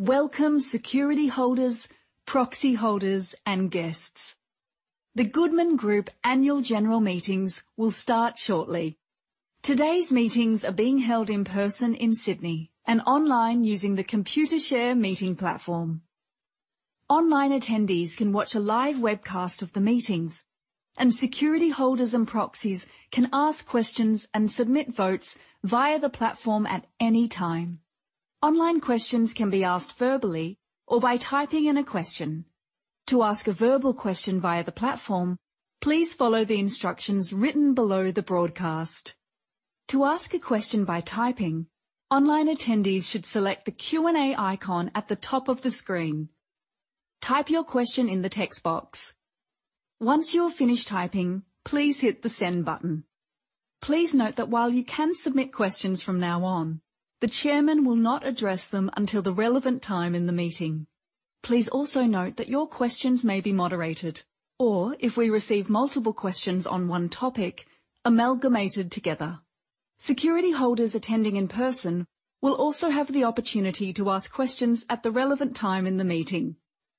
Welcome security holders, proxy holders, and guests. The Goodman Group annual general meetings will start shortly. Today's meetings are being held in person in Sydney and online using the Computershare meeting platform. Online attendees can watch a live webcast of the meetings, and security holders and proxies can ask questions and submit votes via the platform at any time. Online questions can be asked verbally or by typing in a question. To ask a verbal question via the platform, please follow the instructions written below the broadcast. To ask a question by typing, online attendees should select the Q&A icon at the top of the screen. Type your question in the text box. Once you're finished typing, please hit the Send button. Please note that while you can submit questions from now on, the chairman will not address them until the relevant time in the meeting. Please also note that your questions may be moderated or if we receive multiple questions on one topic, amalgamated together. Security holders attending in person will also have the opportunity to ask questions at the relevant time in the meeting.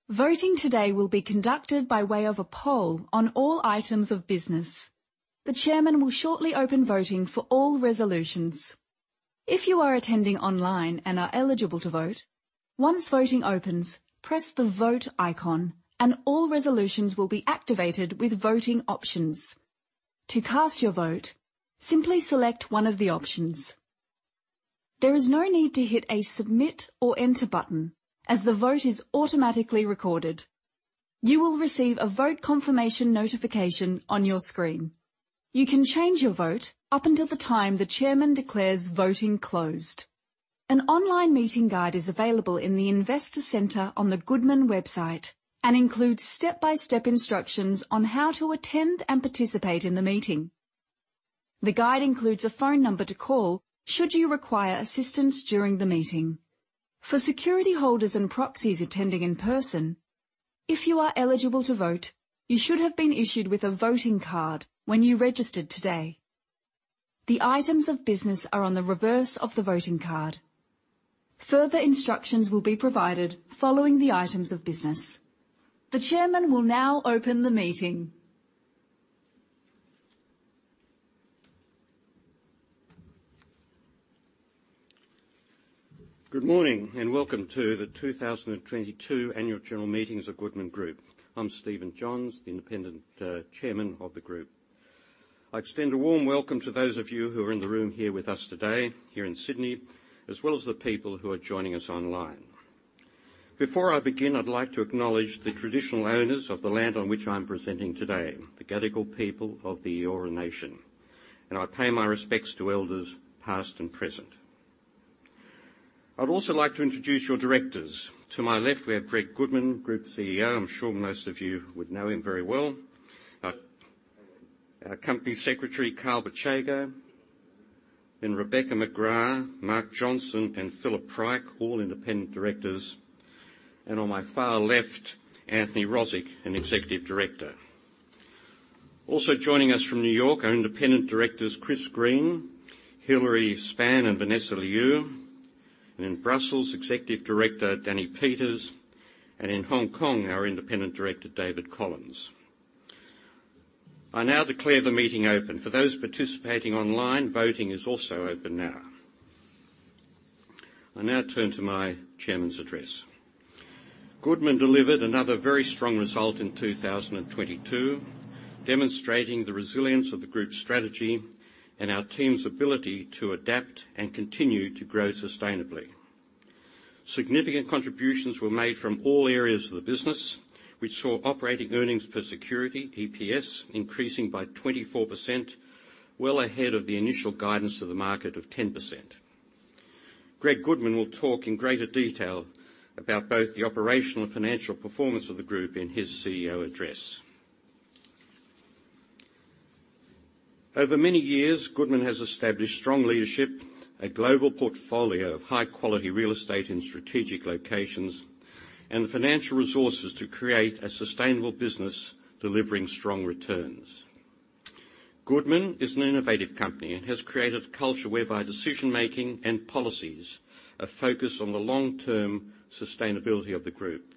Voting today will be conducted by way of a poll on all items of business. The chairman will shortly open voting for all resolutions. If you are attending online and are eligible to vote, once voting opens, press the Vote icon and all resolutions will be activated with voting options. To cast your vote, simply select one of the options. There is no need to hit a Submit or Enter button as the vote is automatically recorded. You will receive a vote confirmation notification on your screen. You can change your vote up until the time the chairman declares voting closed. An online meeting guide is available in the Investor Center on the Goodman website and includes step-by-step instructions on how to attend and participate in the meeting. The guide includes a phone number to call should you require assistance during the meeting. For security holders and proxies attending in person, if you are eligible to vote, you should have been issued with a voting card when you registered today. The items of business are on the reverse of the voting card. Further instructions will be provided following the items of business. The chairman will now open the meeting. Good morning and welcome to the 2022 annual general meetings of Goodman Group. I'm Stephen Johns, the Independent Chairman of the group. I extend a warm welcome to those of you who are in the room here with us today here in Sydney, as well as the people who are joining us online. Before I begin, I'd like to acknowledge the traditional owners of the land on which I'm presenting today, the Gadigal people of the Eora Nation, and I pay my respects to elders, past and present. I'd also like to introduce your directors. To my left, we have Gregory Goodman, Group CEO. I'm sure most of you would know him very well. Our Company Secretary, Carl Bicego, then Rebecca McGrath, Mark Johnson, and Phillip Pryke, all Independent Directors. On my far left, Anthony Rozic, an Executive Director. Also joining us from New York, our independent directors, Chris Green, Hilary Spann, and Vanessa Liu. In Brussels, Executive Director Danny Peeters. In Hong Kong, our independent director, David Collins. I now declare the meeting open. For those participating online, voting is also open now. I now turn to my chairman's address. Goodman delivered another very strong result in 2022, demonstrating the resilience of the group's strategy and our team's ability to adapt and continue to grow sustainably. Significant contributions were made from all areas of the business, which saw operating earnings per security, EPS, increasing by 24%, well ahead of the initial guidance to the market of 10%. Gregory Goodman will talk in greater detail about both the operational and financial performance of the group in his CEO address. Over many years, Goodman has established strong leadership, a global portfolio of high-quality real estate in strategic locations, and the financial resources to create a sustainable business delivering strong returns. Goodman is an innovative company and has created a culture whereby decision-making and policies are focused on the long-term sustainability of the group.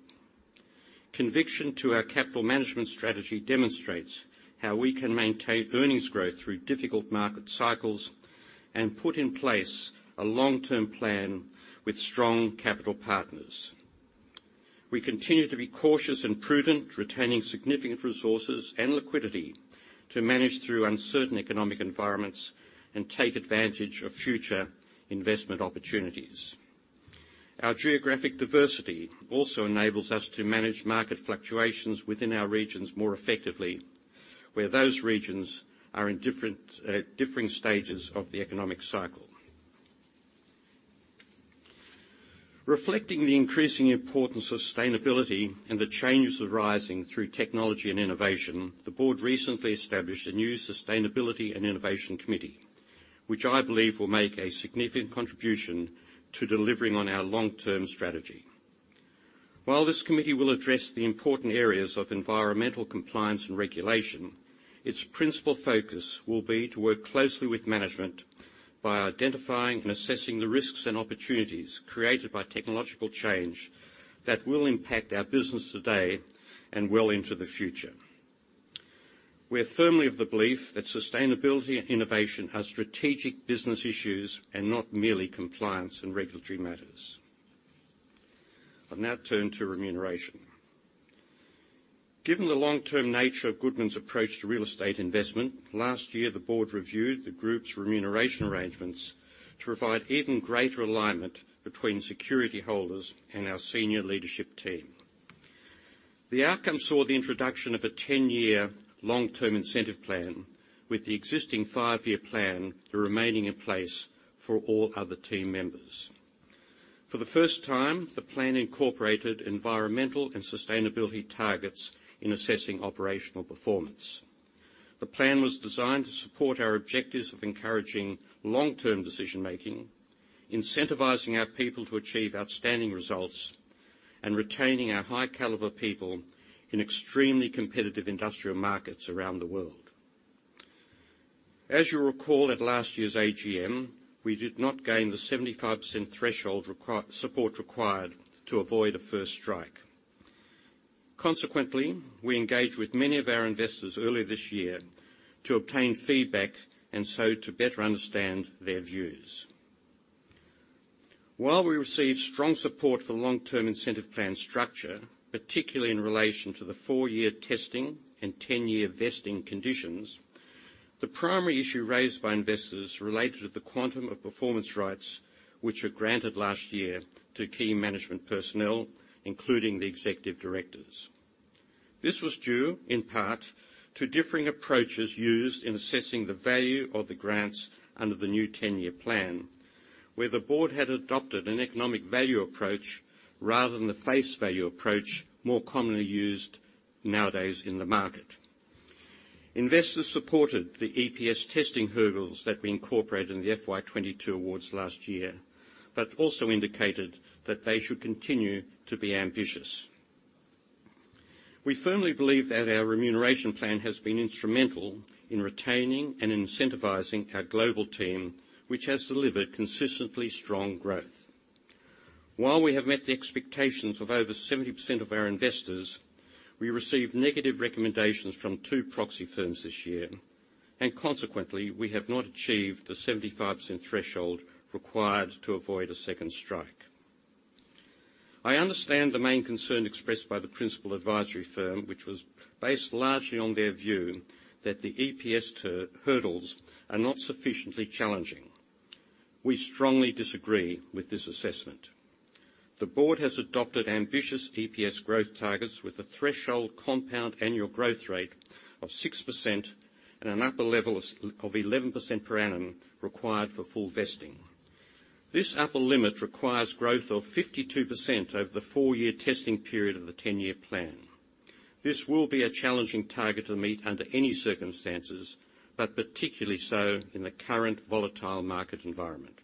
Conviction to our capital management strategy demonstrates how we can maintain earnings growth through difficult market cycles and put in place a long-term plan with strong capital partners. We continue to be cautious and prudent, retaining significant resources and liquidity to manage through uncertain economic environments and take advantage of future investment opportunities. Our geographic diversity also enables us to manage market fluctuations within our regions more effectively, where those regions are in different, differing stages of the economic cycle. Reflecting the increasing importance of sustainability and the changes arising through technology and innovation, the board recently established a new sustainability and innovation committee, which I believe will make a significant contribution to delivering on our long-term strategy. While this committee will address the important areas of environmental compliance and regulation, its principal focus will be to work closely with management by identifying and assessing the risks and opportunities created by technological change that will impact our business today and well into the future. We're firmly of the belief that sustainability and innovation are strategic business issues and not merely compliance and regulatory matters. I'll now turn to remuneration. Given the long-term nature of Goodman's approach to real estate investment, last year the board reviewed the group's remuneration arrangements to provide even greater alignment between security holders and our senior leadership team. The outcome saw the introduction of a 10-year long-term incentive plan with the existing five-year plan remaining in place for all other team members. For the first time, the plan incorporated environmental and sustainability targets in assessing operational performance. The plan was designed to support our objectives of encouraging long-term decision-making, incentivizing our people to achieve outstanding results, and retaining our high caliber people in extremely competitive industrial markets around the world. As you recall at last year's AGM, we did not gain the 75% threshold support required to avoid a first strike. Consequently, we engaged with many of our investors early this year to obtain feedback, and so to better understand their views. While we received strong support for long-term incentive plan structure, particularly in relation to the four-year testing and ten-year vesting conditions, the primary issue raised by investors related to the quantum of performance rights which were granted last year to key management personnel, including the executive directors. This was due in part to differing approaches used in assessing the value of the grants under the new ten-year plan, where the board had adopted an economic value approach rather than the face value approach more commonly used nowadays in the market. Investors supported the EPS testing hurdles that we incorporated in the FY 2022 awards last year, but also indicated that they should continue to be ambitious. We firmly believe that our remuneration plan has been instrumental in retaining and incentivizing our global team, which has delivered consistently strong growth. While we have met the expectations of over 70% of our investors, we received negative recommendations from two proxy firms this year, and consequently, we have not achieved the 75% threshold required to avoid a second strike. I understand the main concern expressed by the principal advisory firm, which was based largely on their view that the EPS hurdles are not sufficiently challenging. We strongly disagree with this assessment. The board has adopted ambitious EPS growth targets with a threshold compound annual growth rate of 6% and an upper level of 11% per annum required for full vesting. This upper limit requires growth of 52% over the four-year testing period of the 10-year plan. This will be a challenging target to meet under any circumstances, but particularly so in the current volatile market environment.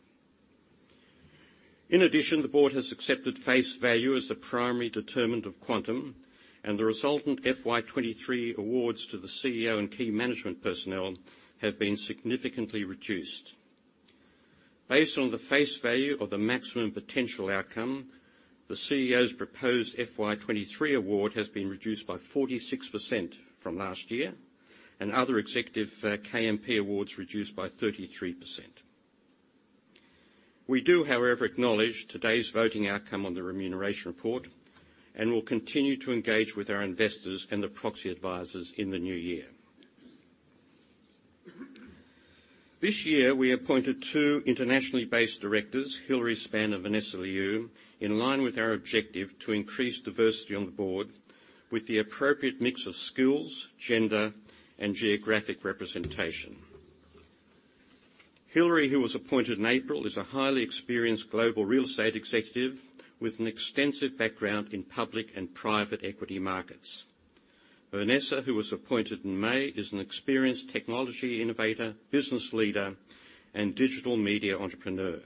In addition, the board has accepted face value as the primary determinant of quantum, and the resultant FY 2023 awards to the CEO and key management personnel have been significantly reduced. Based on the face value of the maximum potential outcome, the CEO's proposed FY 2023 award has been reduced by 46% from last year, and other executive KMP awards reduced by 33%. We do, however, acknowledge today's voting outcome on the remuneration report and will continue to engage with our investors and the proxy advisors in the new year. This year, we appointed two internationally based directors, Hilary Spann and Vanessa Liu, in line with our objective to increase diversity on the board with the appropriate mix of skills, gender, and geographic representation. Hilary, who was appointed in April, is a highly experienced global real estate executive with an extensive background in public and private equity markets. Vanessa, who was appointed in May, is an experienced technology innovator, business leader, and digital media entrepreneur.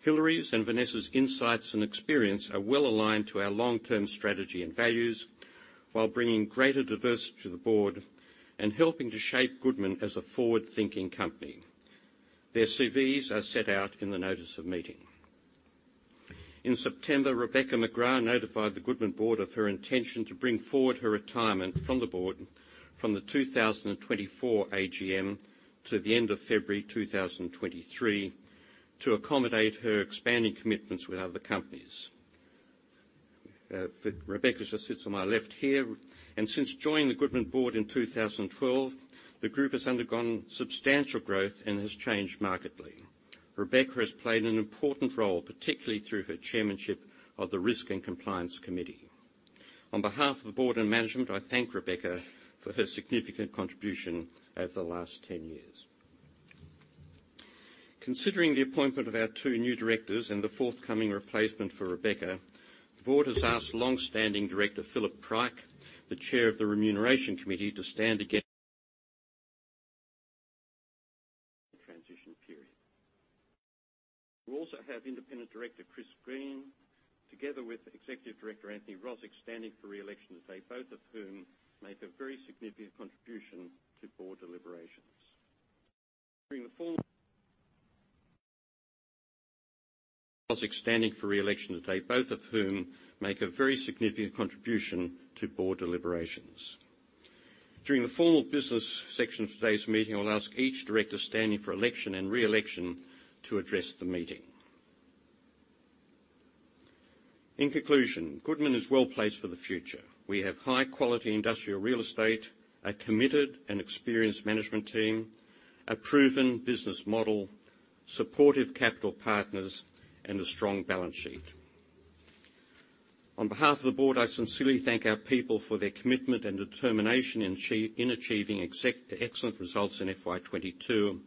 Hilary's and Vanessa's insights and experience are well-aligned to our long-term strategy and values while bringing greater diversity to the board and helping to shape Goodman as a forward-thinking company. Their CVs are set out in the notice of meeting. In September, Rebecca McGrath notified the Goodman board of her intention to bring forward her retirement from the board from the 2024 AGM to the end of February 2023 to accommodate her expanding commitments with other companies. Rebecca just sits on my left here. Since joining the Goodman board in 2012, the group has undergone substantial growth and has changed markedly. Rebecca has played an important role, particularly through her chairmanship of the Risk and Compliance Committee. On behalf of the board and management, I thank Rebecca for her significant contribution over the last 10 years. Considering the appointment of our two new directors and the forthcoming replacement for Rebecca, the board has asked long-standing director Phillip Pryke, the chair of the Remuneration Committee, to stand again. We also have Independent Director Chris Green, together with Executive Director Anthony Rozic, standing for re-election today, both of whom make a very significant contribution to board deliberations. During the formal business section of today's meeting, I'll ask each director standing for election and re-election to address the meeting. In conclusion, Goodman is well-placed for the future. We have high quality industrial real estate, a committed and experienced management team, a proven business model, supportive capital partners, and a strong balance sheet. On behalf of the board, I sincerely thank our people for their commitment and determination in achieving excellent results in FY 2022, and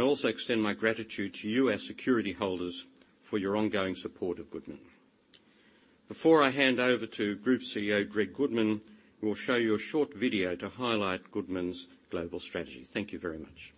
also extend my gratitude to you, our security holders, for your ongoing support of Goodman. Before I hand over to Group CEO, Gregory Goodman, we will show you a short video to highlight Goodman's global strategy. Thank you very much.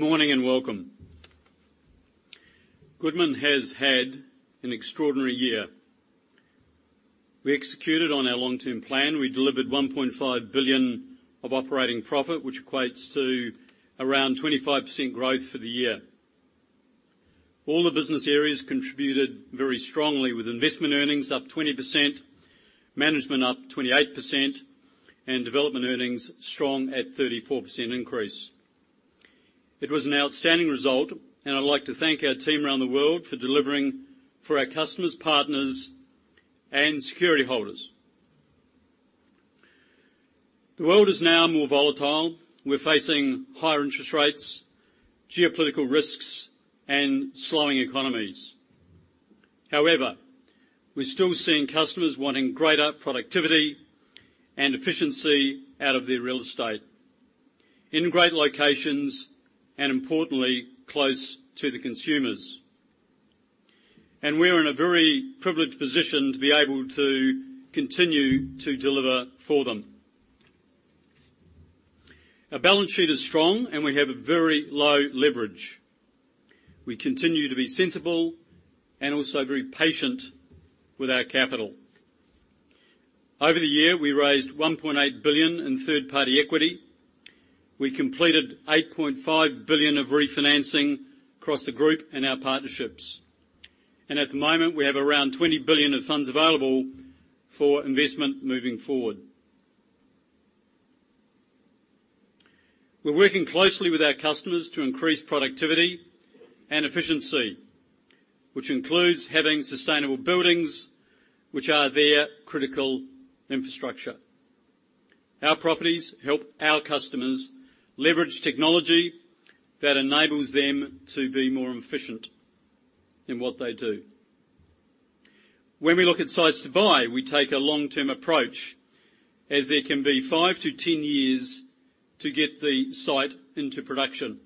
Good morning and welcome. Goodman has had an extraordinary year. We executed on our long-term plan. We delivered 1.5 billion of operating profit, which equates to around 25% growth for the year. All the business areas contributed very strongly with investment earnings up 20%, management up 28%, and development earnings strong at 34% increase. It was an outstanding result, and I'd like to thank our team around the world for delivering for our customers, partners, and security holders. The world is now more volatile. We're facing higher interest rates, geopolitical risks, and slowing economies. However, we're still seeing customers wanting greater productivity and efficiency out of their real estate in great locations and importantly, close to the consumers. We're in a very privileged position to be able to continue to deliver for them. Our balance sheet is strong, and we have a very low leverage. We continue to be sensible and also very patient with our capital. Over the year, we raised 1.8 billion in third-party equity. We completed 8.5 billion of refinancing across the group and our partnerships. At the moment, we have around 20 billion of funds available for investment moving forward. We're working closely with our customers to increase productivity and efficiency, which includes having sustainable buildings which are their critical infrastructure. Our properties help our customers leverage technology that enables them to be more efficient in what they do. When we look at sites to buy, we take a long-term approach as there can be five to 10 years to get the site into production.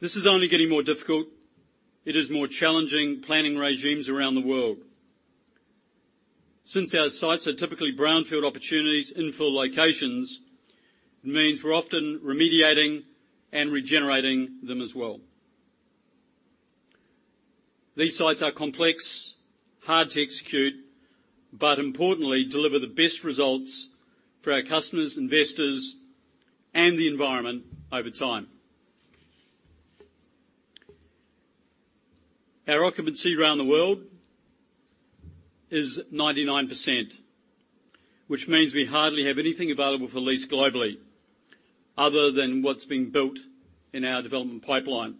This is only getting more difficult. It is more challenging planning regimes around the world. Since our sites are typically brownfield opportunities, infill locations, it means we're often remediating and regenerating them as well. These sites are complex, hard to execute, but importantly, deliver the best results for our customers, investors, and the environment over time. Our occupancy around the world is 99%, which means we hardly have anything available for lease globally other than what's being built in our development pipeline.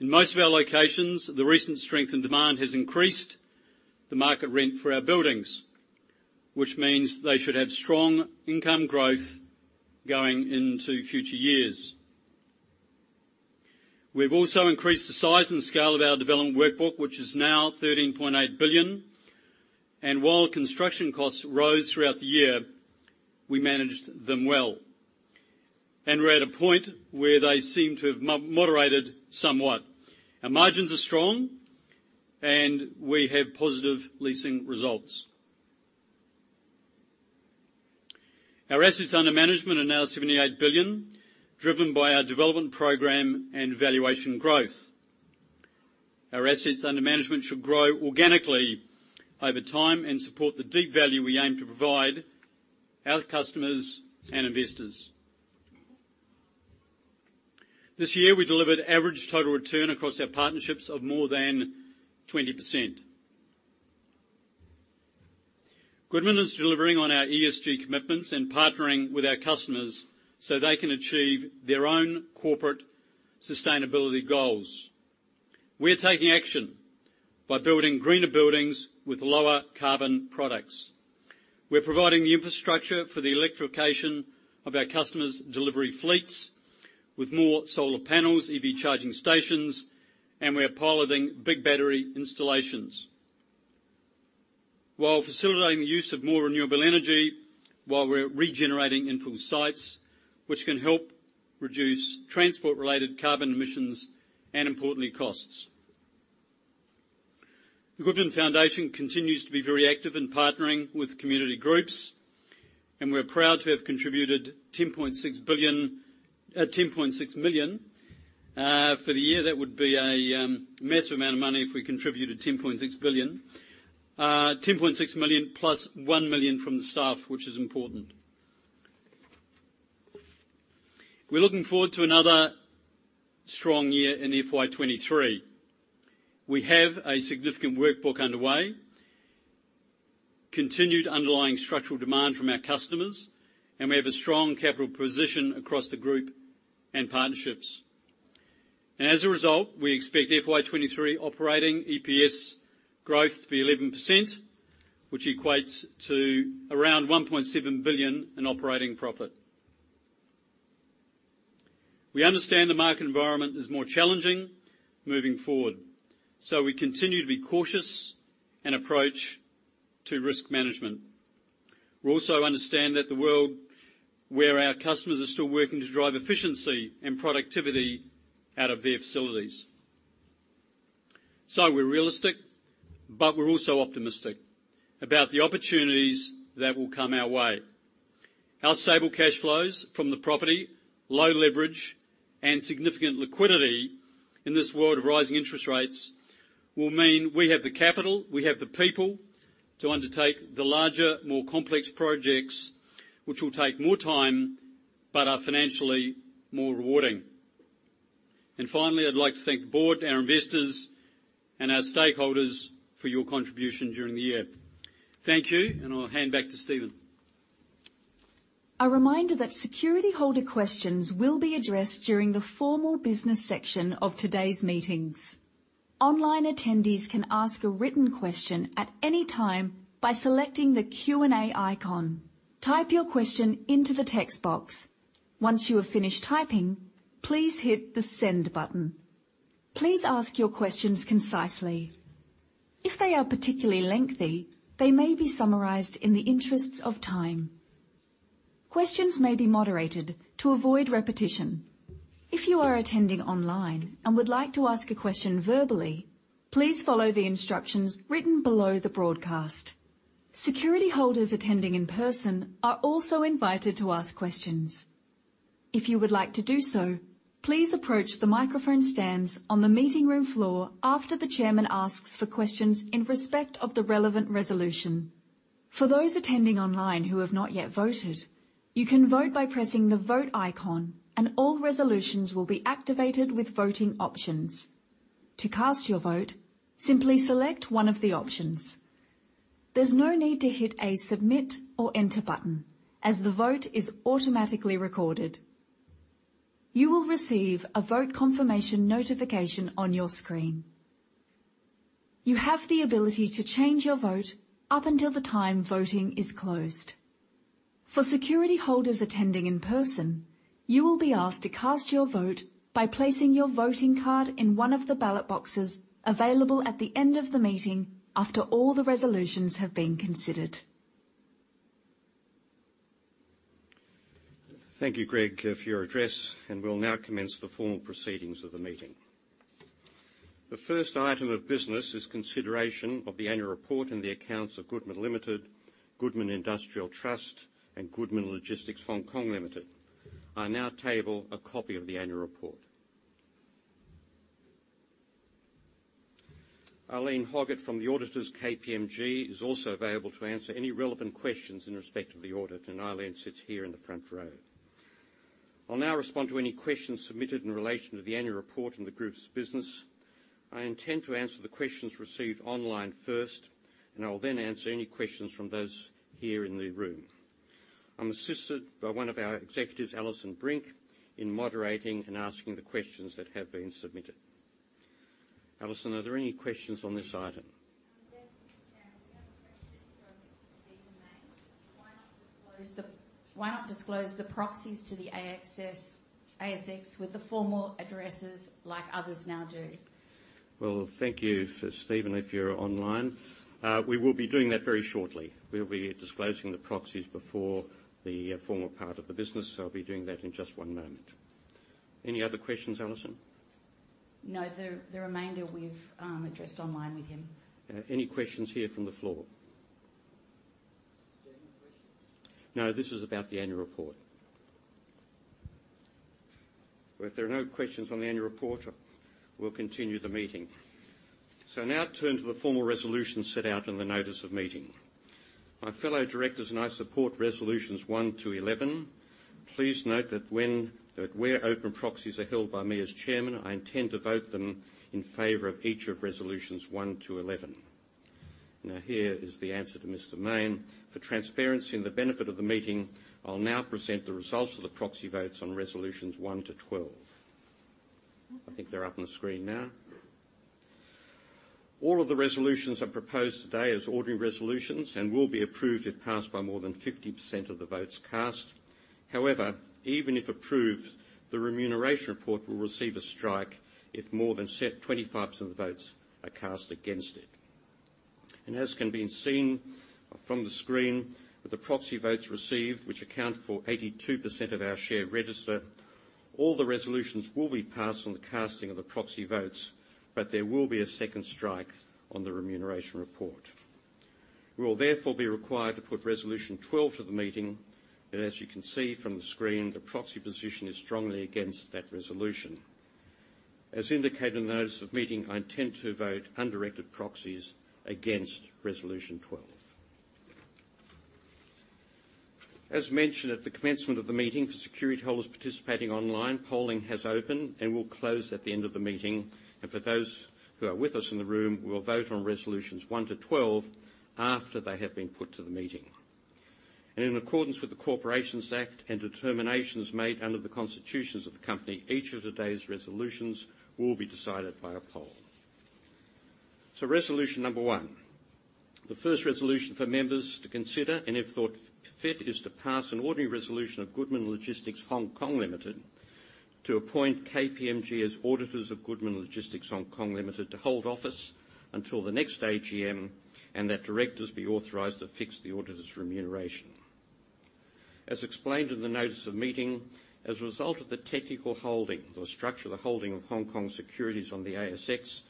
In most of our locations, the recent strength and demand has increased the market rent for our buildings, which means they should have strong income growth going into future years. We've also increased the size and scale of our development workbook, which is now 13.8 billion. While construction costs rose throughout the year, we managed them well, and we're at a point where they seem to have moderated somewhat. Our margins are strong, and we have positive leasing results. Our assets under management are now AUD 78 billion, driven by our development program and valuation growth. Our assets under management should grow organically over time and support the deep value we aim to provide our customers and investors. This year, we delivered average total return across our partnerships of more than 20%. Goodman is delivering on our ESG commitments and partnering with our customers so they can achieve their own corporate sustainability goals. We're taking action by building greener buildings with lower carbon products. We're providing the infrastructure for the electrification of our customers' delivery fleets with more solar panels, EV charging stations, and we are piloting big battery installations while facilitating the use of more renewable energy, while we're regenerating infill sites, which can help reduce transport-related carbon emissions and importantly, costs. The Goodman Foundation continues to be very active in partnering with community groups, and we're proud to have contributed 10.6 billion, 10.6 million, for the year. That would be a massive amount of money if we contributed 10.6 billion. 10.6 million+, 1 million from the staff, which is important. We're looking forward to another strong year in FY 2023. We have a significant workbook underway, continued underlying structural demand from our customers, and we have a strong capital position across the group and partnerships. As a result, we expect FY 2023 operating EPS growth to be 11%, which equates to around 1.7 billion in operating profit. We understand the market environment is more challenging moving forward, so we continue to be cautious in approach to risk management. We also understand that the world where our customers are still working to drive efficiency and productivity out of their facilities. We're realistic, but we're also optimistic about the opportunities that will come our way. Our stable cash flows from the property, low leverage, and significant liquidity in this world of rising interest rates will mean we have the capital, we have the people to undertake the larger, more complex projects, which will take more time, but are financially more rewarding. Finally, I'd like to thank the board, our investors, and our stakeholders for your contribution during the year. Thank you, and I'll hand back to Stephen. A reminder that security holder questions will be addressed during the formal business section of today's meetings. Online attendees can ask a written question at any time by selecting the Q&A icon. Type your question into the text box. Once you have finished typing, please hit the Send button. Please ask your questions concisely. If they are particularly lengthy, they may be summarized in the interests of time. Questions may be moderated to avoid repetition. If you are attending online and would like to ask a question verbally, please follow the instructions written below the broadcast. Security holders attending in person are also invited to ask questions. If you would like to do so, please approach the microphone stands on the meeting room floor after the chairman asks for questions in respect of the relevant resolution. For those attending online who have not yet voted, you can vote by pressing the Vote icon, and all resolutions will be activated with voting options. To cast your vote, simply select one of the options. There's no need to hit a Submit or Enter button as the vote is automatically recorded. You will receive a vote confirmation notification on your screen. You have the ability to change your vote up until the time voting is closed. For security holders attending in person, you will be asked to cast your vote by placing your voting card in one of the ballot boxes available at the end of the meeting after all the resolutions have been considered. Thank you, Greg, for your address, and we'll now commence the formal proceedings of the meeting. The first item of business is consideration of the annual report and the accounts of Goodman Limited, Goodman Industrial Trust, and Goodman Logistics (HK) Limited. I now table a copy of the annual report. Eileen Hoggett from the auditors KPMG is also available to answer any relevant questions in respect of the audit, and Eileen sits here in the front row. I'll now respond to any questions submitted in relation to the annual report and the group's business. I intend to answer the questions received online first, and I will then answer any questions from those here in the room. I'm assisted by one of our executives, Alison Brink, in moderating and asking the questions that have been submitted. Alison, are there any questions on this item? Yes, Mr. Chairman. We have a question from Stephen Mayne. Why not disclose the proxies to the ASX with the formal addresses like others now do? Well, thank you, Stephen, if you're online. We will be doing that very shortly. We'll be disclosing the proxies before the formal part of the business. I'll be doing that in just one moment. Any other questions, Alison? No. The remainder we've addressed online with him. Any questions here from the floor? No. This is about the annual report. Well, if there are no questions on the annual report, we'll continue the meeting. Now turn to the formal resolution set out in the notice of meeting. My fellow directors and I support resolutions one to 11. Please note that where open proxies are held by me as Chairman, I intend to vote them in favor of each of resolutions one to 11. Now here is the answer to Mr. Mayne. For transparency and the benefit of the meeting, I'll now present the results of the proxy votes on resolutions one to 12. I think they're up on the screen now. All of the resolutions are proposed today as ordinary resolutions and will be approved if passed by more than 50% of the votes cast. However, even if approved, the remuneration report will receive a strike if more than 25% of the votes are cast against it. As can be seen from the screen, with the proxy votes received, which account for 82% of our share register, all the resolutions will be passed on the casting of the proxy votes, but there will be a second strike on the remuneration report. We will therefore be required to put resolution 12 to the meeting, and as you can see from the screen, the proxy position is strongly against that resolution. As indicated in the notice of meeting, I intend to vote undirected proxies against resolution 12. As mentioned at the commencement of the meeting, for security holders participating online, polling has opened and will close at the end of the meeting. For those who are with us in the room, we'll vote on resolutions one to 12 after they have been put to the meeting. In accordance with the Corporations Act and determinations made under the constitutions of the company, each of today's resolutions will be decided by a poll. Resolution number 1. The first resolution for members to consider and if thought fit, is to pass an ordinary resolution of Goodman Logistics (HK) Limited to appoint KPMG as auditors of Goodman Logistics (HK) Limited to hold office until the next AGM and that directors be authorized to fix the auditor's remuneration. As explained in the notice of meeting, as a result of the technical holding or structure of the holding of Hong Kong Securities on the ASX,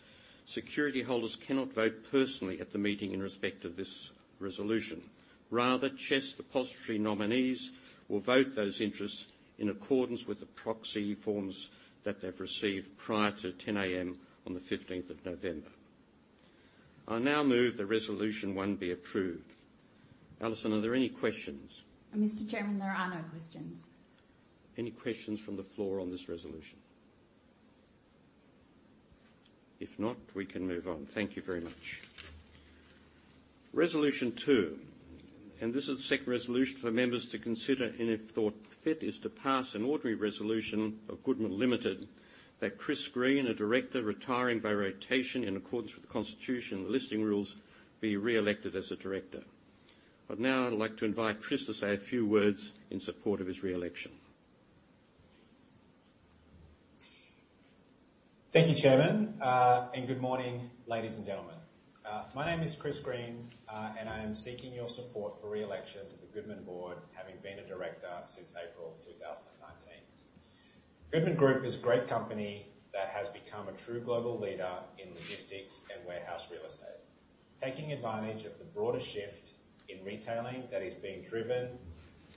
security holders cannot vote personally at the meeting in respect of this resolution. Rather, CHESS Depositary Nominees will vote those interests in accordance with the proxy forms that they've received prior to 10:00 A.M. on the 15th of November. I now move that resolution one be approved. Alison, are there any questions? Mr. Chairman, there are no questions. Any questions from the floor on this resolution? If not, we can move on. Thank you very much. Resolution two, and this is the second resolution for members to consider and if thought fit, is to pass an ordinary resolution of Goodman Limited that Chris Green, a director retiring by rotation in accordance with the Constitution and Listing Rules, be re-elected as a director. Now I'd like to invite Chris to say a few words in support of his re-election. Thank you, Chairman, and good morning, ladies and gentlemen. My name is Chris Green, and I am seeking your support for re-election to the Goodman board, having been a director since April 2019. Goodman Group is a great company that has become a true global leader in logistics and warehouse real estate, taking advantage of the broader shift in retailing that is being driven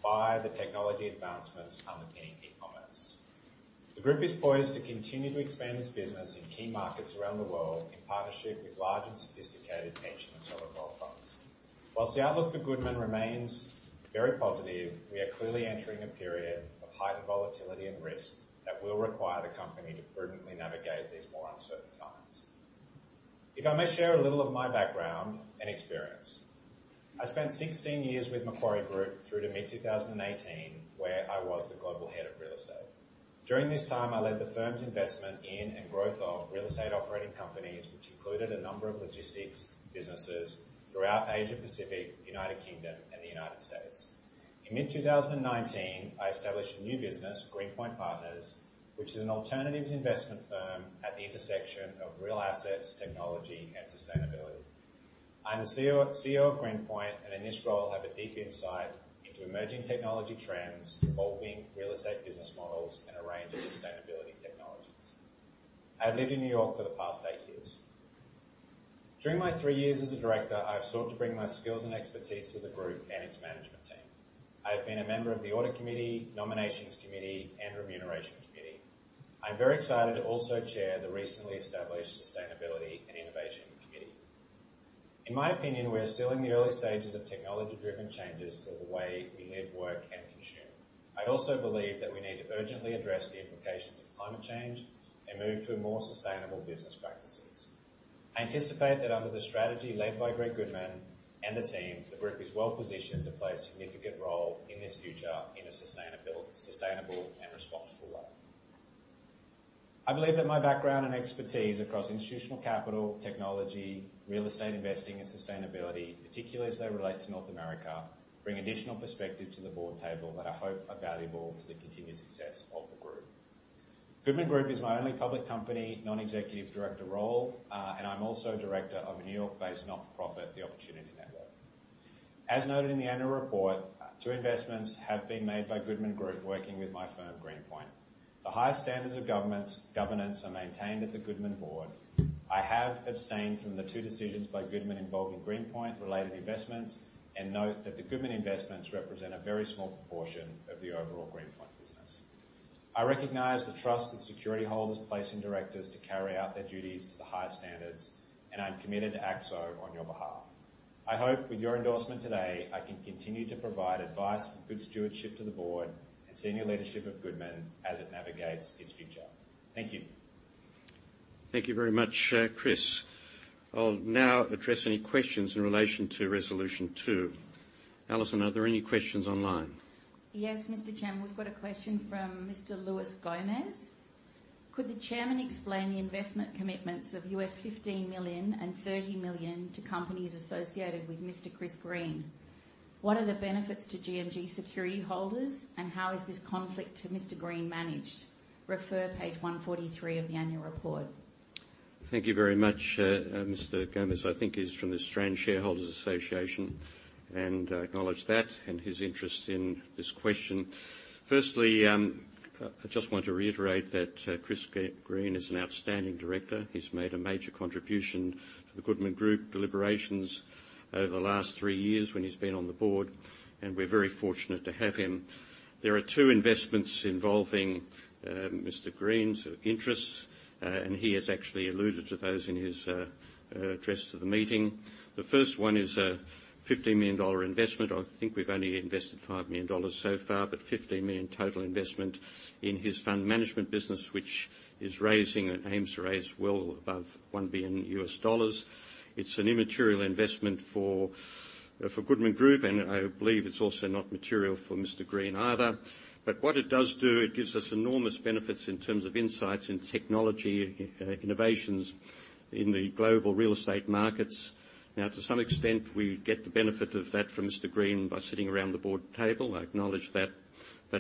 by the technology advancements underpinning e-commerce. The group is poised to continue to expand its business in key markets around the world in partnership with large and sophisticated pension and sovereign wealth funds. While the outlook for Goodman remains very positive, we are clearly entering a period of heightened volatility and risk that will require the company to prudently navigate these more uncertain times. If I may share a little of my background and experience. I spent 16 years with Macquarie Group through to mid-2018, where I was the Global Head of Real Estate. During this time, I led the firm's investment in and growth of real estate operating companies, which included a number of logistics businesses throughout Asia Pacific, United Kingdom, and the United States. In mid-2019, I established a new business, GreenPoint Partners, which is an alternatives investment firm at the intersection of real assets, technology, and sustainability. I'm the CEO of GreenPoint, and in this role have a deep insight into emerging technology trends involving real estate business models and a range of sustainability technologies. I've lived in New York for the past eight years. During my three years as a director, I've sought to bring my skills and expertise to the group and its management team. I've been a member of the Audit Committee, Nominations Committee, and Remuneration Committee. I'm very excited to also chair the recently established Sustainability and Innovation Committee. In my opinion, we're still in the early stages of technology-driven changes to the way we live, work, and consume. I also believe that we need to urgently address the implications of climate change and move to a more sustainable business practices. I anticipate that under the strategy led by Greg Goodman and the team, the group is well-positioned to play a significant role in this future in a sustainable and responsible way. I believe that my background and expertise across institutional capital, technology, real estate investing, and sustainability, particularly as they relate to North America, bring additional perspective to the board table that I hope are valuable to the continued success of the group. Goodman Group is my only public company non-executive director role, and I'm also director of a New York-based not-for-profit, The Opportunity Network. As noted in the annual report, two investments have been made by Goodman Group working with my firm, GreenPoint. The highest standards of governance are maintained at the Goodman board. I have abstained from the two decisions by Goodman involving GreenPoint related investments and note that the Goodman investments represent a very small proportion of the overall GreenPoint business. I recognize the trust that security holders place in directors to carry out their duties to the highest standards, and I'm committed to act so on your behalf. I hope with your endorsement today, I can continue to provide advice and good stewardship to the board and senior leadership of Goodman as it navigates its future. Thank you. Thank you very much, Chris. I'll now address any questions in relation to resolution two. Alison, are there any questions online? Yes, Mr. Chairman. We've got a question from Mr. Lewis Gomez. Could the chairman explain the investment commitments of $15 million and $30 million to companies associated with Mr. Chris Green? What are the benefits to GMG security holders, and how is this conflict to Mr. Green managed? Refer page 143 of the annual report. Thank you very much. Mr. Gomez, I think he's from the Australian Shareholders' Association and acknowledge that and his interest in this question. Firstly, I just want to reiterate that Chris Green is an outstanding director. He's made a major contribution to the Goodman Group deliberations over the last three years when he's been on the board, and we're very fortunate to have him. There are two investments involving Mr. Green's interests, and he has actually alluded to those in his address to the meeting. The first one is a $15 million investment. I think we've only invested $5 million so far, but $15 million total investment in his fund management business, which is raising and aims to raise well above $1 billion. It's an immaterial investment for Goodman Group, and I believe it's also not material for Mr. Green either. What it does do, it gives us enormous benefits in terms of insights into technology, innovations in the global real estate markets. Now, to some extent, we get the benefit of that from Mr. Green by sitting around the board table. I acknowledge that.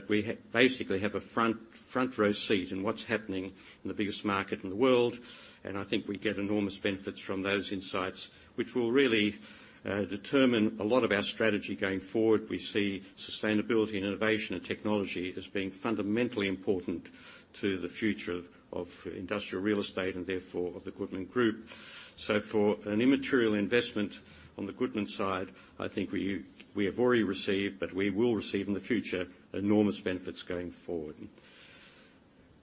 We basically have a front row seat in what's happening in the biggest market in the world, and I think we get enormous benefits from those insights, which will really determine a lot of our strategy going forward. We see sustainability and innovation and technology as being fundamentally important to the future of industrial real estate and therefore of the Goodman Group. For an immaterial investment on the Goodman side, I think we have already received, but we will receive in the future enormous benefits going forward.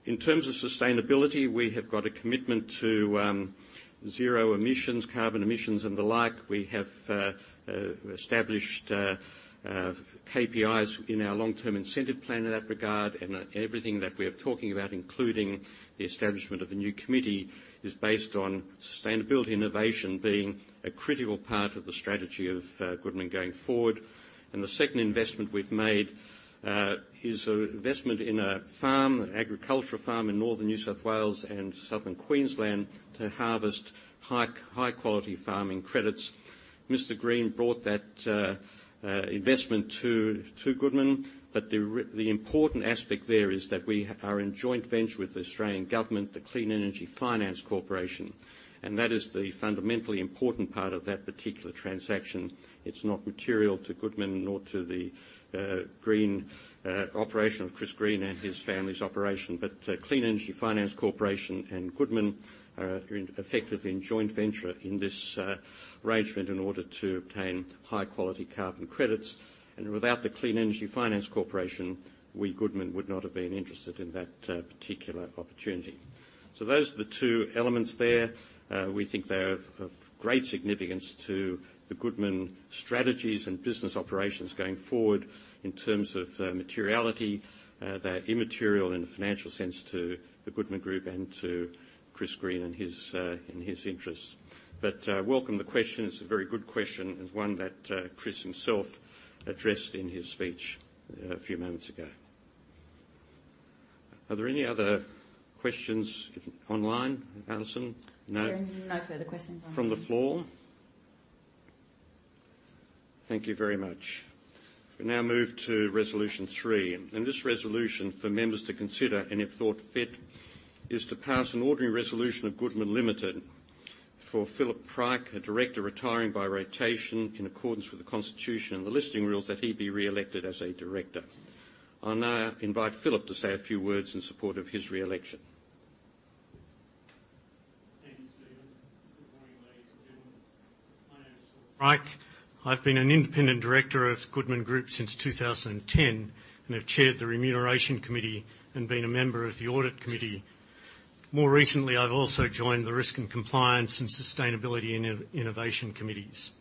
In terms of sustainability, we have got a commitment to zero emissions, carbon emissions and the like. We have established KPIs in our long-term incentive plan in that regard. Everything that we're talking about, including the establishment of the new committee, is based on sustainability and innovation being a critical part of the strategy of Goodman going forward. The second investment we've made is an investment in a farm, an agricultural farm in northern New South Wales and southern Queensland to harvest high quality farming credits. Mr. Green brought that investment to Goodman, but the important aspect there is that we are in joint venture with the Australian Government, the Clean Energy Finance Corporation, and that is the fundamentally important part of that particular transaction. It's not material to Goodman nor to the Green operation of Chris Green and his family's operation. Clean Energy Finance Corporation and Goodman are effectively in joint venture in this arrangement in order to obtain high quality carbon credits. Without the Clean Energy Finance Corporation, we, Goodman, would not have been interested in that particular opportunity. Those are the two elements there. We think they're of great significance to the Goodman strategies and business operations going forward in terms of materiality. They're immaterial in a financial sense to the Goodman Group and to Chris Green and his interests. Welcome the question. It's a very good question and one that Chris himself addressed in his speech a few moments ago. Are there any other questions online, Alison? No. There are no further questions online. From the floor? Thank you very much. We now move to resolution three. This resolution for members to consider and if thought fit, is to pass an ordinary resolution of Goodman Limited for Phillip Pryke, a director retiring by rotation in accordance with the constitution and the listing rules, that he be reelected as a director. I'll now invite Phillip Pryke to say a few words in support of his reelection. Thank you, Stephen. Good morning, ladies and gentlemen. My name is Phillip Pryke. I've been an independent director of Goodman Group since 2010, and have chaired the Remuneration Committee and been a member of the Audit Committee. More recently, I've also joined the Risk and Compliance and Sustainability and Innovation Committees.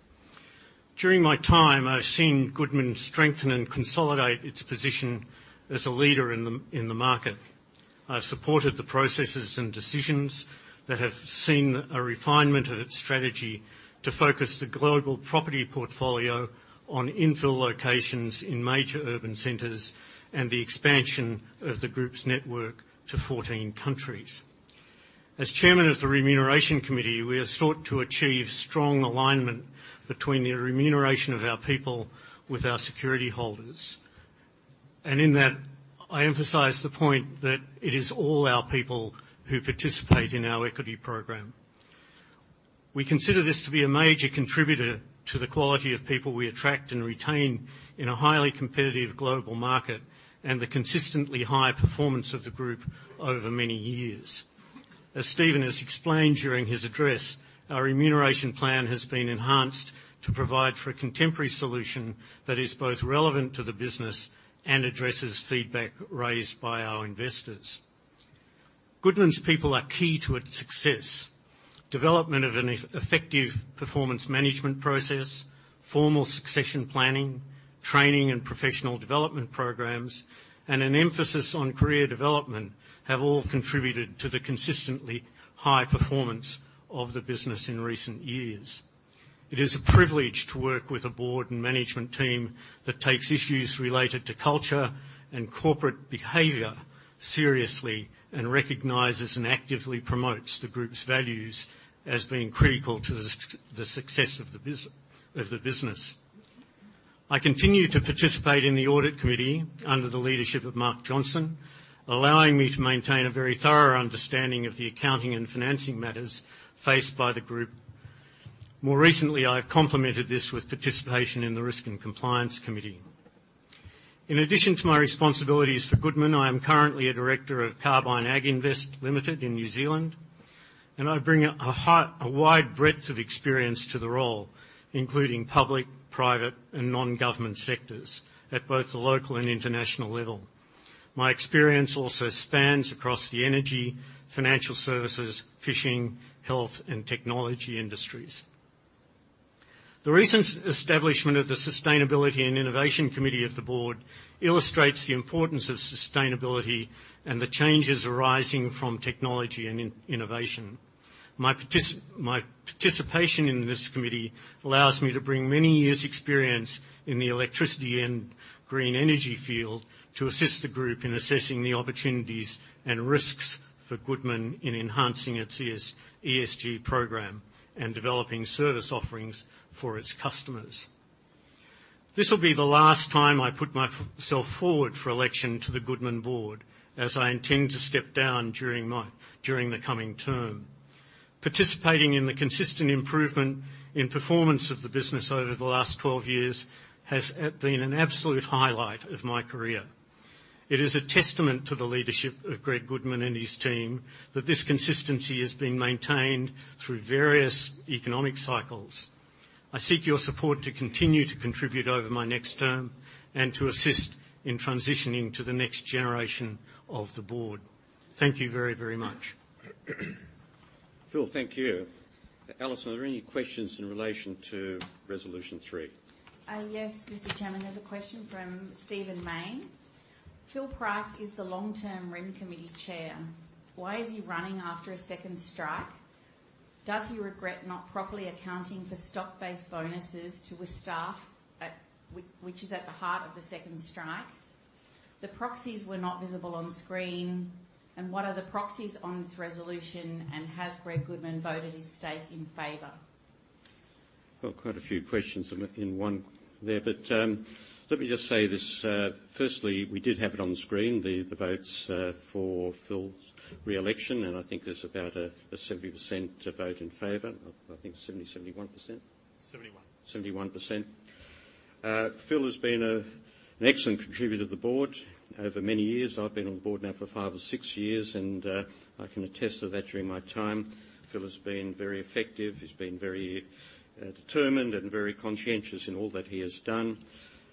During my time, I've seen Goodman strengthen and consolidate its position as a leader in the market. I supported the processes and decisions that have seen a refinement of its strategy to focus the global property portfolio on infill locations in major urban centers and the expansion of the group's network to 14 countries. As chairman of the Remuneration Committee, we have sought to achieve strong alignment between the remuneration of our people with our security holders. In that, I emphasize the point that it is all our people who participate in our equity program. We consider this to be a major contributor to the quality of people we attract and retain in a highly competitive global market and the consistently high performance of the group over many years. As Stephen has explained during his address, our remuneration plan has been enhanced to provide for a contemporary solution that is both relevant to the business and addresses feedback raised by our investors. Goodman's people are key to its success. Development of an effective performance management process, formal succession planning, training and professional development programs, and an emphasis on career development have all contributed to the consistently high performance of the business in recent years. It is a privilege to work with a board and management team that takes issues related to culture and corporate behavior seriously and recognizes and actively promotes the group's values as being critical to the success of the business. I continue to participate in the Audit Committee under the leadership of Mark Johnson, allowing me to maintain a very thorough understanding of the accounting and financing matters faced by the group. More recently, I have complemented this with participation in the Risk and Compliance Committee. In addition to my responsibilities for Goodman, I am currently a director of Carbine AgInvest Limited in New Zealand, and I bring a wide breadth of experience to the role, including public, private, and non-government sectors at both the local and international level. My experience also spans across the energy, financial services, fishing, health, and technology industries. The recent establishment of the Sustainability and Innovation Committee of the board illustrates the importance of sustainability and the changes arising from technology and innovation. My participation in this committee allows me to bring many years' experience in the electricity and green energy field to assist the group in assessing the opportunities and risks for Goodman in enhancing its ESG program and developing service offerings for its customers. This will be the last time I put myself forward for election to the Goodman board, as I intend to step down during the coming term. Participating in the consistent improvement in performance of the business over the last 12 years has been an absolute highlight of my career. It is a testament to the leadership of Gregory Goodman and his team that this consistency has been maintained through various economic cycles. I seek your support to continue to contribute over my next term and to assist in transitioning to the next generation of the board. Thank you very, very much. Phil, thank you. Alison, are there any questions in relation to resolution three? Yes, Mr. Chairman. There's a question from Stephen Mayne. "Phillip Pryke is the long-term remuneration committee chair. Why is he running after a second strike? Does he regret not properly accounting for stock-based bonuses to his staff at which is at the heart of the second strike? The proxies were not visible on screen. What are the proxies on this resolution, and has Gregory Goodman voted his stake in favor? Well, quite a few questions in one there. Let me just say this. Firstly, we did have it on the screen, the votes for Phil's reelection, and I think there's about a 70% vote in favor. I think 71%. 71%. 71%. Philip has been an excellent contributor to the board over many years. I've been on the board now for five or six years and I can attest to that during my time. Philip has been very effective. He's been very determined and very conscientious in all that he has done.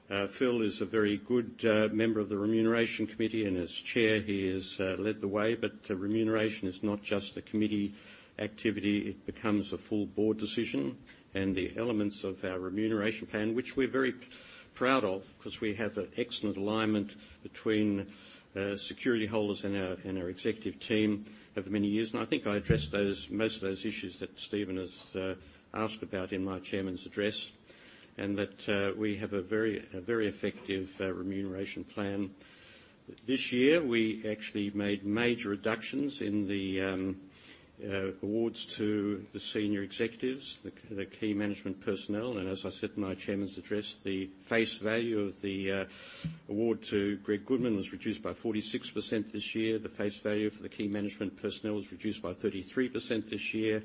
Philip is a very good member of the Remuneration Committee and as Chair he has led the way. Remuneration is not just a committee activity, it becomes a full board decision. The elements of our remuneration plan, which we're very proud of because we have an excellent alignment between security holders and our executive team over many years. I think I addressed those, most of those issues that Stephen has asked about in my chairman's address, and that we have a very effective remuneration plan. This year, we actually made major reductions in the awards to the senior executives, the key management personnel. As I said in my chairman's address, the face value of the award to Gregory Goodman was reduced by 46% this year. The face value for the key management personnel was reduced by 33% this year.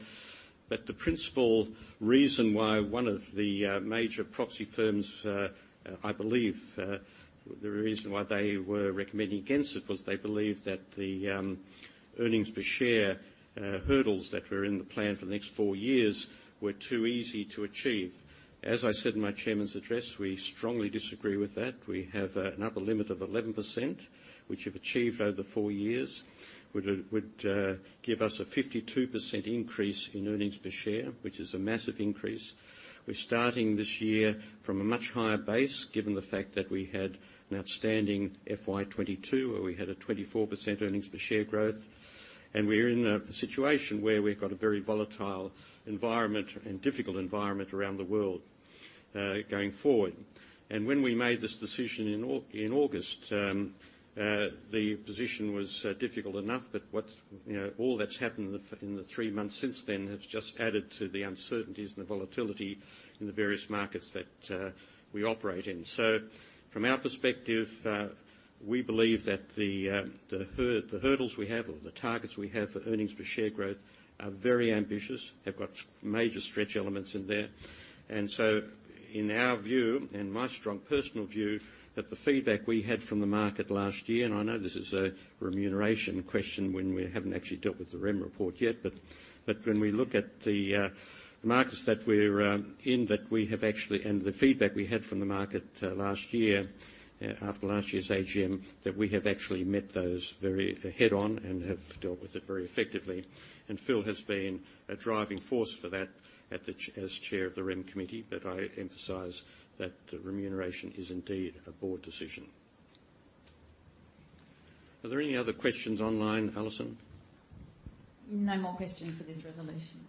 The principal reason why one of the major proxy firms, I believe, the reason why they were recommending against it was they believe that the earnings per share hurdles that were in the plan for the next four years were too easy to achieve. As I said in my chairman's address, we strongly disagree with that. We have an upper limit of 11%, which if achieved over the four years would give us a 52% increase in earnings per share, which is a massive increase. We're starting this year from a much higher base, given the fact that we had an outstanding FY 2022, where we had a 24% earnings per share growth. We're in a situation where we've got a very volatile environment and difficult environment around the world going forward. When we made this decision in August, the position was difficult enough. What's, you know, all that's happened in the three months since then has just added to the uncertainties and the volatility in the various markets that we operate in. From our perspective, we believe that the hurdles we have or the targets we have for earnings per share growth are very ambitious, have got major stretch elements in there. In our view and my strong personal view, the feedback we had from the market last year, and I know this is a remuneration question when we haven't actually dealt with the rem report yet, but when we look at the markets that we're in, and the feedback we had from the market last year after last year's AGM, that we have actually met those very head on and have dealt with it very effectively. Phil has been a driving force for that as chair of the Rem committee. I emphasize that remuneration is indeed a board decision. Are there any other questions online, Alison? No more questions for this resolution.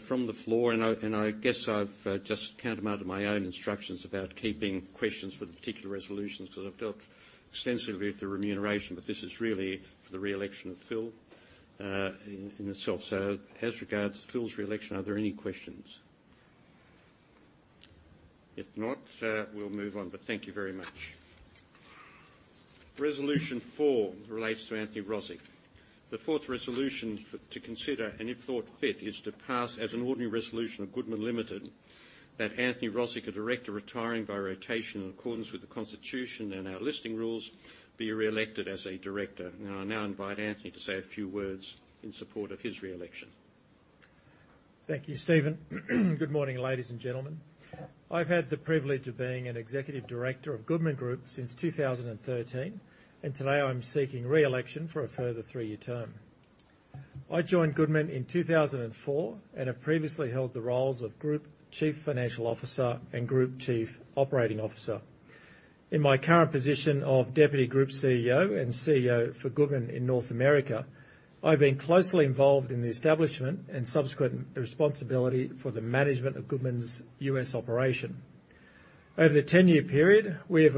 From the floor, I guess I've just countermanded my own instructions about keeping questions for the particular resolutions, because I've dealt extensively with the remuneration, but this is really for the reelection of Philip, in itself. As regards to Philip's reelection, are there any questions? If not, we'll move on. Thank you very much. Resolution four relates to Anthony Rozic. The fourth resolution to consider, and if thought fit, is to pass as an ordinary resolution of Goodman Limited, that Anthony Rozic, a director retiring by rotation in accordance with the constitution and our listing rules, be reelected as a director. I now invite Anthony to say a few words in support of his reelection. Thank you, Stephen. Good morning, ladies and gentlemen. I've had the privilege of being an executive director of Goodman Group since 2013, and today I'm seeking reelection for a further three-year term. I joined Goodman in 2004 and have previously held the roles of group chief financial officer and group chief operating officer. In my current position of deputy group CEO and CEO for Goodman in North America, I've been closely involved in the establishment and subsequent responsibility for the management of Goodman's U.S. operation. Over the ten-year period, we have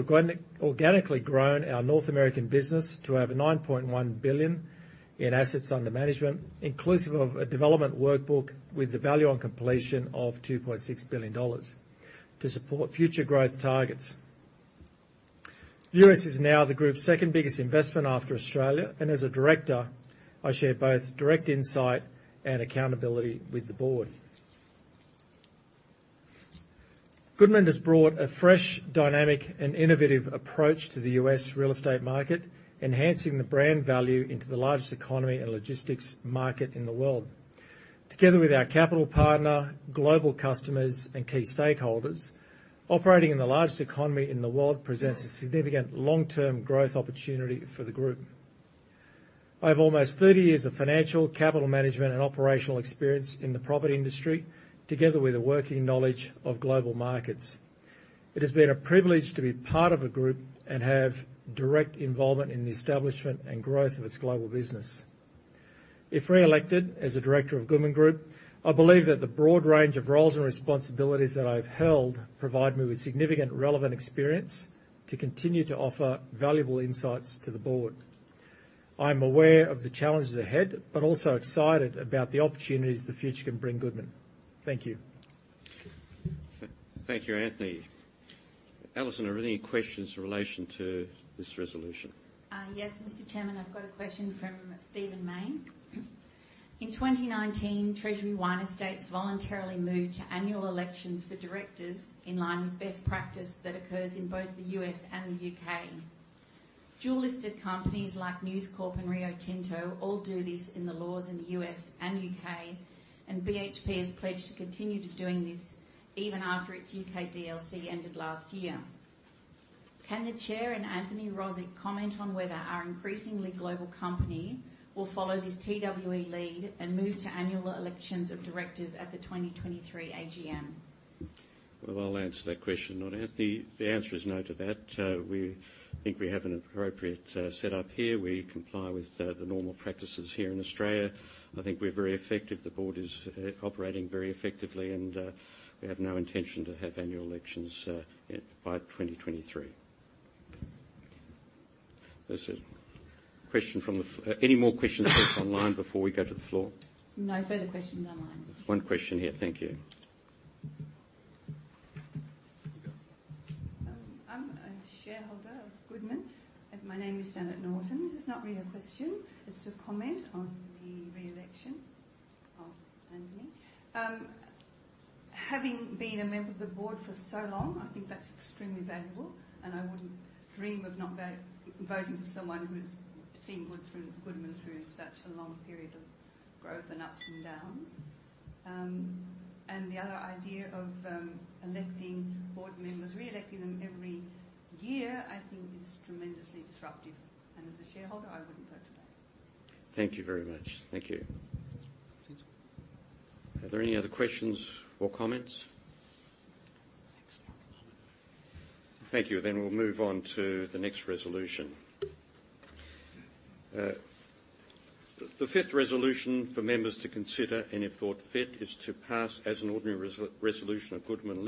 organically grown our North American business to over $9.1 billion in assets under management, inclusive of a development workbook with the value on completion of $2.6 billion to support future growth targets. U.S. is now the group's second biggest investment after Australia, and as a director, I share both direct insight and accountability with the board. Goodman has brought a fresh, dynamic, and innovative approach to the U.S. real estate market, enhancing the brand value into the largest economy and logistics market in the world. Together with our capital partner, global customers, and key stakeholders, operating in the largest economy in the world presents a significant long-term growth opportunity for the group. I have almost 30 years of financial, capital management, and operational experience in the property industry, together with a working knowledge of global markets. It has been a privilege to be part of a group and have direct involvement in the establishment and growth of its global business. If reelected as a director of Goodman Group, I believe that the broad range of roles and responsibilities that I've held provide me with significant relevant experience to continue to offer valuable insights to the board. I'm aware of the challenges ahead, but also excited about the opportunities the future can bring Goodman. Thank you. Thank you, Anthony. Alison, are there any questions in relation to this resolution? Yes, Mr. Chairman, I've got a question from Stephen Mayne. In 2019, Treasury Wine Estates voluntarily moved to annual elections for directors in line with best practice that occurs in both the U.S. and the U.K. Dual-listed companies like News Corp and Rio Tinto all do this in the laws in the U.S. and U.K., and BHP has pledged to continue doing this even after its U.K. DLC ended last year. Can the chair and Anthony Rozic comment on whether our increasingly global company will follow this TWE lead and move to annual elections of directors at the 2023 AGM? Well, I'll answer that question on Anthony. The answer is no to that. We think we have an appropriate setup here. We comply with the normal practices here in Australia. I think we're very effective. The board is operating very effectively and we have no intention to have annual elections by 2023. Any more questions from online before we go to the floor? No further questions online. One question here. Thank you. I'm a shareholder of Goodman. My name is Janet Norton. This is not really a question, it's a comment on the reelection of Anthony. Having been a member of the board for so long, I think that's extremely valuable, and I wouldn't dream of not voting for someone who's seen Goodman through such a long period of growth and ups and downs. The other idea of electing board members, reelecting them every year, I think is tremendously disruptive, and as a shareholder, I wouldn't vote for that. Thank you very much. Thank you. Are there any other questions or comments? Thank you, then we'll move on to the next resolution. The fifth resolution for members to consider, and if thought fit, is to pass as an ordinary resolution of Goodman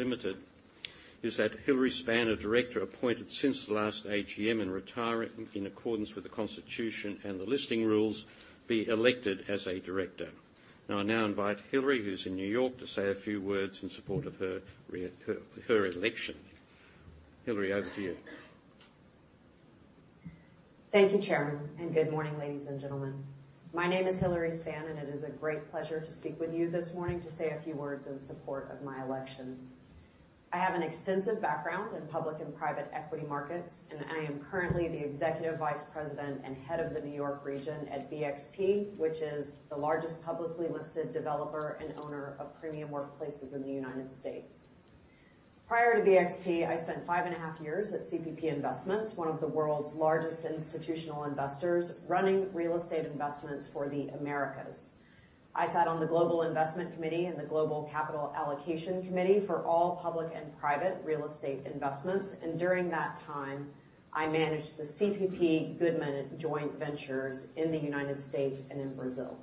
Limited, that Hilary Spann, a director appointed since the last AGM and retiring in accordance with the constitution and the listing rules, be elected as a director. I now invite Hilary, who's in New York, to say a few words in support of her election. Hilary, over to you. Thank you, Chairman, and good morning, ladies and gentlemen. My name is Hilary Spann, and it is a great pleasure to speak with you this morning to say a few words in support of my election. I have an extensive background in public and private equity markets, and I am currently the Executive Vice President and head of the New York region at BXP, which is the largest publicly listed developer and owner of premium workplaces in the United States. Prior to BXP, I spent five and a half years at CPP Investments, one of the world's largest institutional investors, running real estate investments for the Americas. I sat on the Global Investment Committee and the Global Capital Allocation Committee for all public and private real estate investments, and during that time, I managed the CPP Goodman joint ventures in the United States and in Brazil.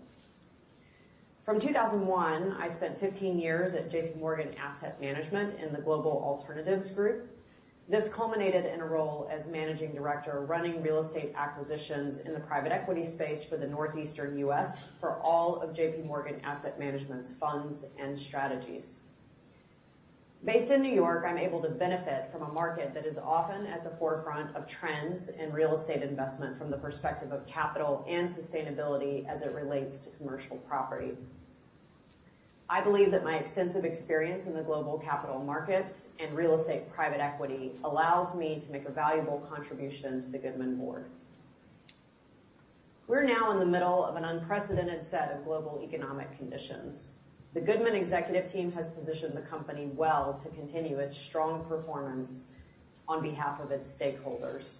From 2001, I spent 15 years at JPMorgan Asset Management in the Global Alternatives. This culminated in a role as Managing Director, running real estate acquisitions in the private equity space for the Northeastern U.S. for all of JPMorgan Asset Management's funds and strategies. Based in New York, I'm able to benefit from a market that is often at the forefront of trends in real estate investment from the perspective of capital and sustainability as it relates to commercial property. I believe that my extensive experience in the global capital markets and real estate private equity allows me to make a valuable contribution to the Goodman board. We're now in the middle of an unprecedented set of global economic conditions. The Goodman executive team has positioned the company well to continue its strong performance on behalf of its stakeholders.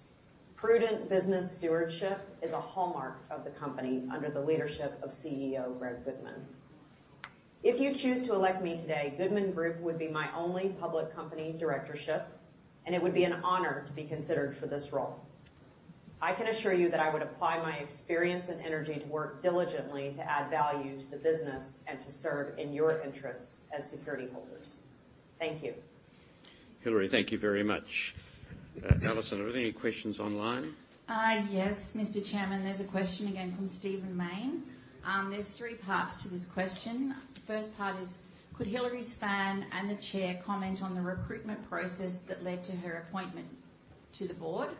Prudent business stewardship is a hallmark of the company under the leadership of CEO Greg Goodman. If you choose to elect me today, Goodman Group would be my only public company directorship, and it would be an honor to be considered for this role. I can assure you that I would apply my experience and energy to work diligently to add value to the business and to serve in your interests as security holders. Thank you. Hilary, thank you very much. Alison, are there any questions online? Yes, Mr. Chairman. There's a question again from Stephen Mayne. There's three parts to this question. First part is, could Hilary Spann and the chair comment on the recruitment process that led to her appointment to the board?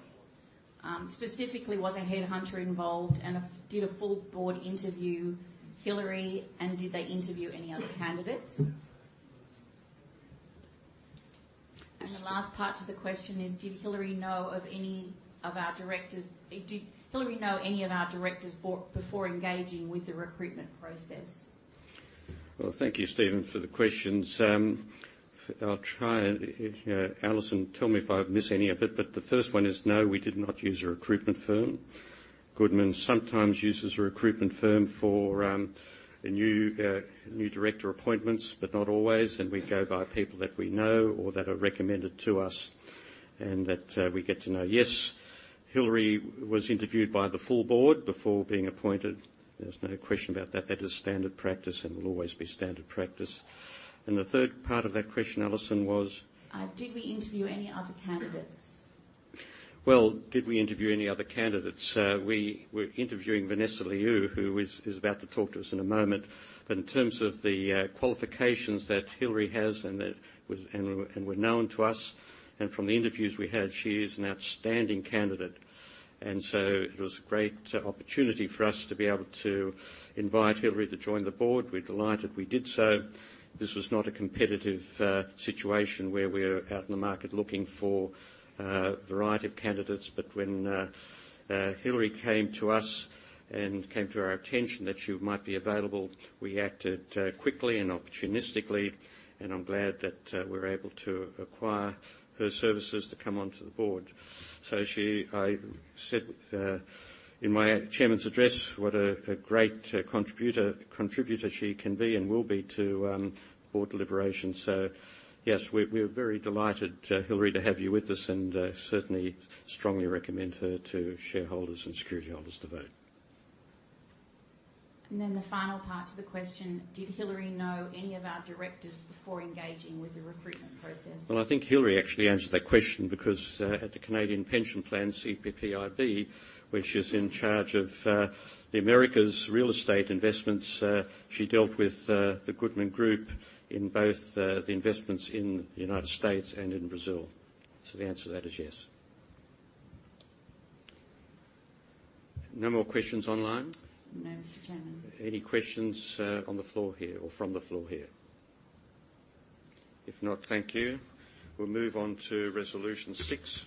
Specifically, was a headhunter involved? Did a full board interview Hilary and did they interview any other candidates? The last part to the question is, did Hilary know any of our directors before engaging with the recruitment process? Well, thank you, Stephen, for the questions. I'll try and Alison, tell me if I miss any of it, but the first one is no, we did not use a recruitment firm. Goodman sometimes uses a recruitment firm for a new director appointments, but not always. We go by people that we know or that are recommended to us and that we get to know. Yes, Hilary was interviewed by the full board before being appointed. There's no question about that. That is standard practice and will always be standard practice. The third part of that question, Alison, was? Did we interview any other candidates? Well, did we interview any other candidates? We were interviewing Vanessa Liu, who is about to talk to us in a moment. In terms of the qualifications that Hilary has and that were known to us, and from the interviews we had, she is an outstanding candidate. It was a great opportunity for us to be able to invite Hilary to join the board. We're delighted we did so. This was not a competitive situation where we're out in the market looking for a variety of candidates. When Hilary came to us and came to our attention that she might be available, we acted quickly and opportunistically, and I'm glad that we're able to acquire her services to come onto the board. I said in my Chairman's address what a great contributor she can be and will be to Board deliberations. Yes, we're very delighted, Hilary, to have you with us and certainly strongly recommend her to shareholders and security holders to vote. The final part to the question: Did Hilary know any of our directors before engaging with the recruitment process? Well, I think Hilary actually answered that question because at the Canada Pension Plan, CPPIB, which is in charge of the Americas' real estate investments, she dealt with the Goodman Group in both the investments in the United States and in Brazil. The answer to that is yes. No more questions online? No, Mr. Chairman. Any questions on the floor here or from the floor here? If not, thank you. We'll move on to resolution six.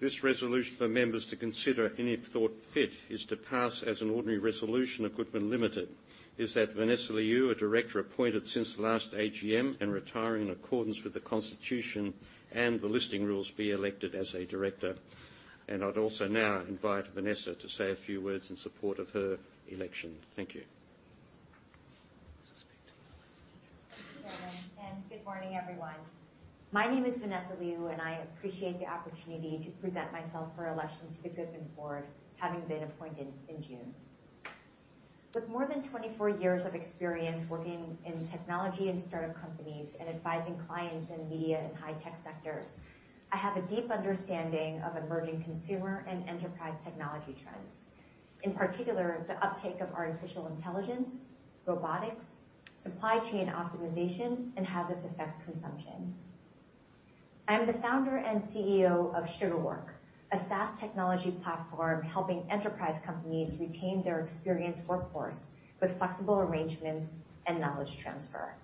This resolution for members to consider, and if thought fit, is to pass as an ordinary resolution of Goodman Limited, is that Vanessa Liu, a director appointed since the last AGM and retiring in accordance with the constitution and the listing rules, be elected as a director. I'd also now invite Vanessa to say a few words in support of her election. Thank you. Thank you, Chairman, and good morning, everyone. My name is Vanessa Liu, and I appreciate the opportunity to present myself for election to the Goodman board, having been appointed in June. With more than 24 years of experience working in technology and startup companies and advising clients in the media and high-tech sectors, I have a deep understanding of emerging consumer and enterprise technology trends, in particular, the uptake of artificial intelligence, robotics, supply chain optimization, and how this affects consumption. I am the founder and CEO of Sugarwork, a SaaS technology platform helping enterprise companies retain their experienced workforce with flexible arrangements and knowledge transfer.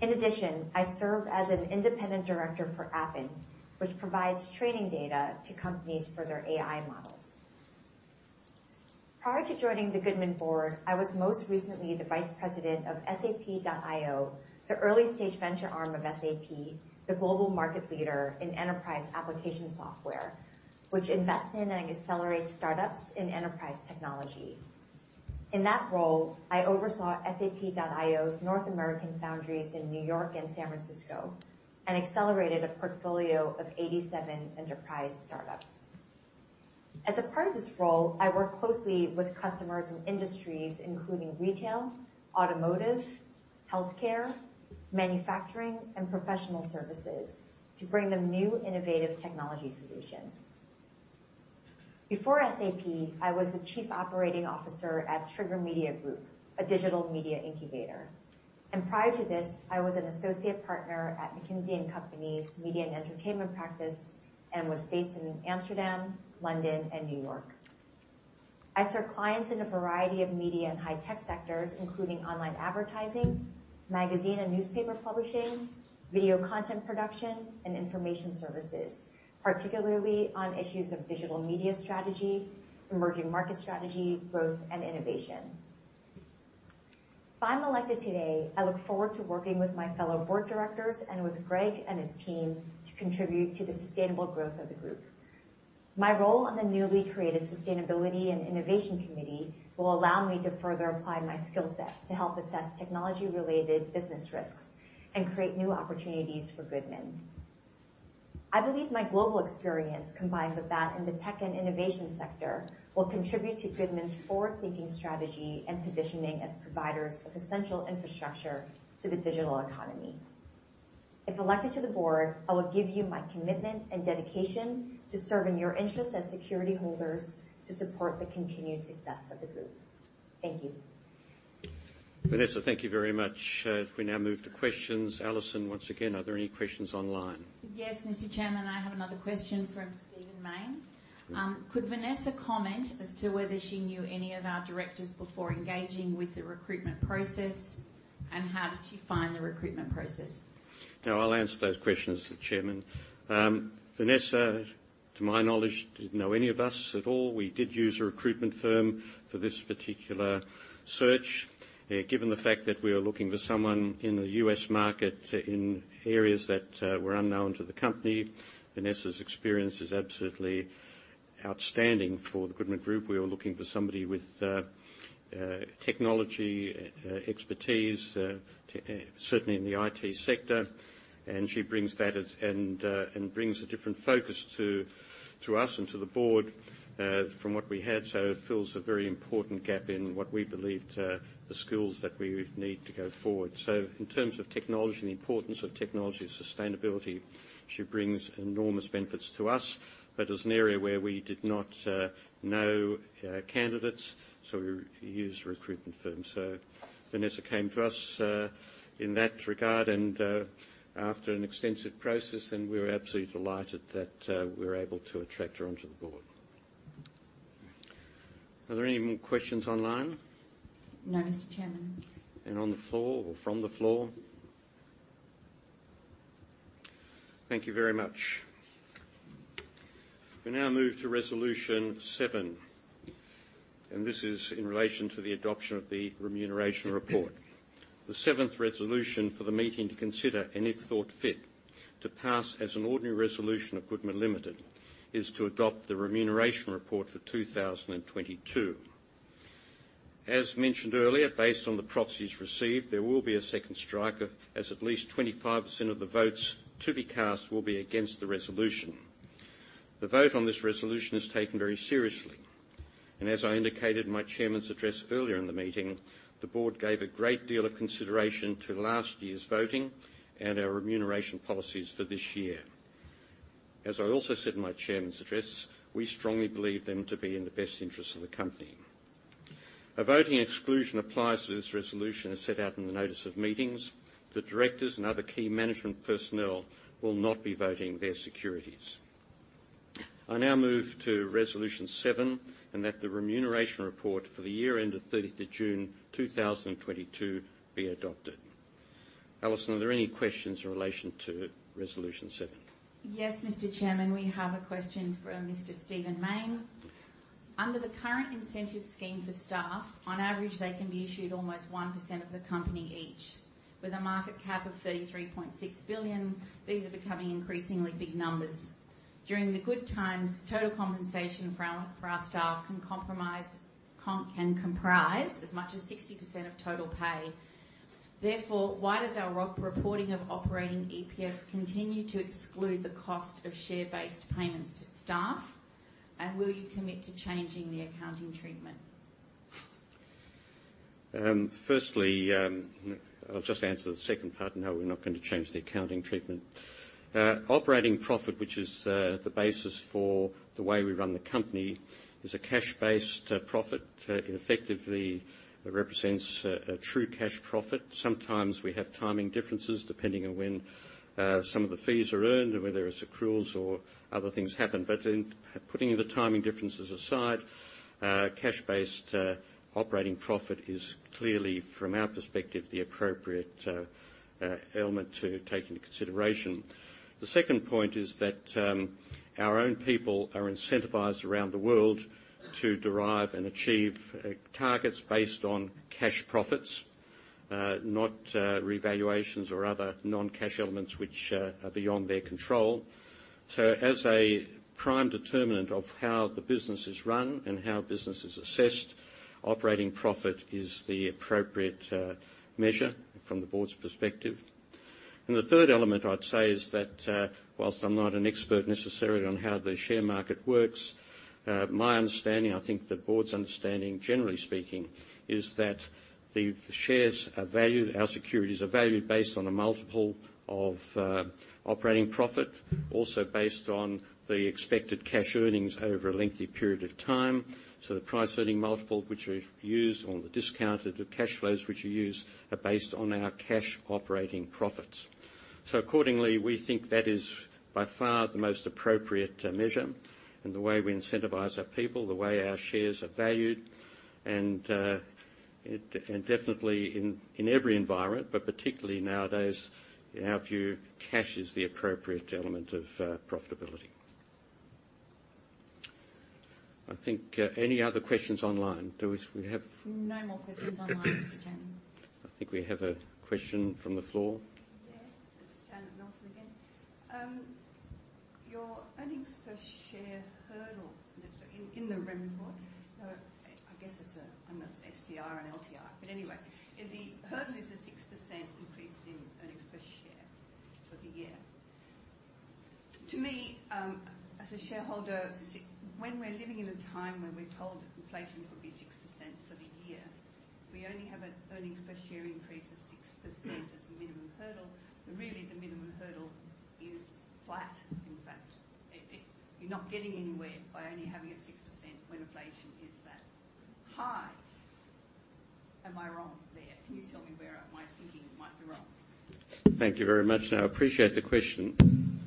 In addition, I serve as an independent director for Appen, which provides training data to companies for their AI models. Prior to joining the Goodman board, I was most recently the vice president of SAP.iO, the early-stage venture arm of SAP, the global market leader in enterprise application software, which invests in and accelerates startups in enterprise technology. In that role, I oversaw SAP.iO's North American foundries in New York and San Francisco and accelerated a portfolio of 87 enterprise startups. As a part of this role, I worked closely with customers in industries including retail, automotive, healthcare, manufacturing, and professional services to bring them new innovative technology solutions. Before SAP, I was the chief operating officer at Trigger Media Group, a digital media incubator. Prior to this, I was an associate partner at McKinsey & Company's media and entertainment practice and was based in Amsterdam, London, and New York. I served clients in a variety of media and high-tech sectors, including online advertising, magazine and newspaper publishing, video content production, and information services, particularly on issues of digital media strategy, emerging market strategy, growth, and innovation. If I'm elected today, I look forward to working with my fellow board directors and with Greg and his team to contribute to the sustainable growth of the group. My role on the newly created Sustainability and Innovation Committee will allow me to further apply my skill set to help assess technology-related business risks and create new opportunities for Goodman. I believe my global experience, combined with that in the tech and innovation sector, will contribute to Goodman's forward-thinking strategy and positioning as providers of essential infrastructure to the digital economy. If elected to the board, I will give you my commitment and dedication to serving your interests as security holders to support the continued success of the group. Thank you. Vanessa, thank you very much. If we now move to questions. Alison, once again, are there any questions online? Yes, Mr. Chairman, I have another question from Stephen Mayne. Could Vanessa comment as to whether she knew any of our directors before engaging with the recruitment process, and how did she find the recruitment process? Now, I'll answer those questions, Mr. Chairman. Vanessa, to my knowledge, didn't know any of us at all. We did use a recruitment firm for this particular search. Given the fact that we are looking for someone in the U.S. market in areas that were unknown to the company, Vanessa's experience is absolutely outstanding for the Goodman Group. We are looking for somebody with technology expertise certainly in the IT sector, and she brings that and brings a different focus to us and to the board from what we had. It fills a very important gap in what we believe to be the skills that we need to go forward. In terms of technology and the importance of technology and sustainability, she brings enormous benefits to us. As an area where we did not know candidates, so we used a recruitment firm. Vanessa came to us in that regard, and after an extensive process, and we're absolutely delighted that we're able to attract her onto the board. Are there any more questions online? No, Mr. Chairman. On the floor or from the floor? Thank you very much. We now move to resolution seven, and this is in relation to the adoption of the remuneration report. The seventh resolution for the meeting to consider, and if thought fit, to pass as an ordinary resolution of Goodman Limited, is to adopt the remuneration report for 2022. As mentioned earlier, based on the proxies received, there will be a second strike as at least 25% of the votes to be cast will be against the resolution. The vote on this resolution is taken very seriously. As I indicated in my chairman's address earlier in the meeting, the board gave a great deal of consideration to last year's voting and our remuneration policies for this year. As I also said in my chairman's address, we strongly believe them to be in the best interest of the company. A voting exclusion applies to this resolution, as set out in the notice of meetings. The directors and other key management personnel will not be voting their securities. I now move to resolution seven, and that the remuneration report for the year end of 30 June 2022 be adopted. Alison, are there any questions in relation to resolution seven? Yes, Mr. Chairman, we have a question from Mr. Stephen Mayne. Under the current incentive scheme for staff, on average, they can be issued almost 1% of the company each. With a market cap of 33.6 billion, these are becoming increasingly big numbers. During the good times, total compensation for our staff can comprise as much as 60% of total pay. Therefore, why does our reporting of operating EPS continue to exclude the cost of share-based payments to staff? And will you commit to changing the accounting treatment? Firstly, I'll just answer the second part. No, we're not going to change the accounting treatment. Operating profit, which is the basis for the way we run the company, is a cash-based profit. It effectively represents a true cash profit. Sometimes we have timing differences, depending on when some of the fees are earned or whether it's accruals or other things happen. But in putting the timing differences aside, cash-based operating profit is clearly, from our perspective, the appropriate element to take into consideration. The second point is that our own people are incentivized around the world to derive and achieve targets based on cash profits, not revaluations or other non-cash elements which are beyond their control. As a prime determinant of how the business is run and how business is assessed, operating profit is the appropriate measure from the board's perspective. The third element I'd say is that, while I'm not an expert necessarily on how the share market works, my understanding, I think the board's understanding, generally speaking, is that the shares are valued, our securities are valued based on a multiple of operating profit. Also, based on the expected cash earnings over a lengthy period of time. The price-earnings multiple which we've used or the discounted cash flows which we use are based on our cash operating profits. Accordingly, we think that is by far the most appropriate measure in the way we incentivize our people, the way our shares are valued. It definitely in every environment but particularly nowadays, in our view, cash is the appropriate element of profitability. I think any other questions online? Do we have- No more questions online, Mr. Chairman. I think we have a question from the floor. Yes. It's Janet Norton again. Your earnings per share hurdle in the remuneration report, I guess it's STI and LTI. Anyway, the hurdle is a 6% increase in earnings per share for the year. To me, as a shareholder, when we're living in a time when we're told that inflation will be 6% for the year, we only have an earnings per share increase of 6% as the minimum hurdle. Really, the minimum hurdle is flat, in fact. You're not getting anywhere by only having it 6% when inflation is that high. Am I wrong there? Can you tell me where my thinking might be wrong? Thank you very much. No, I appreciate the question.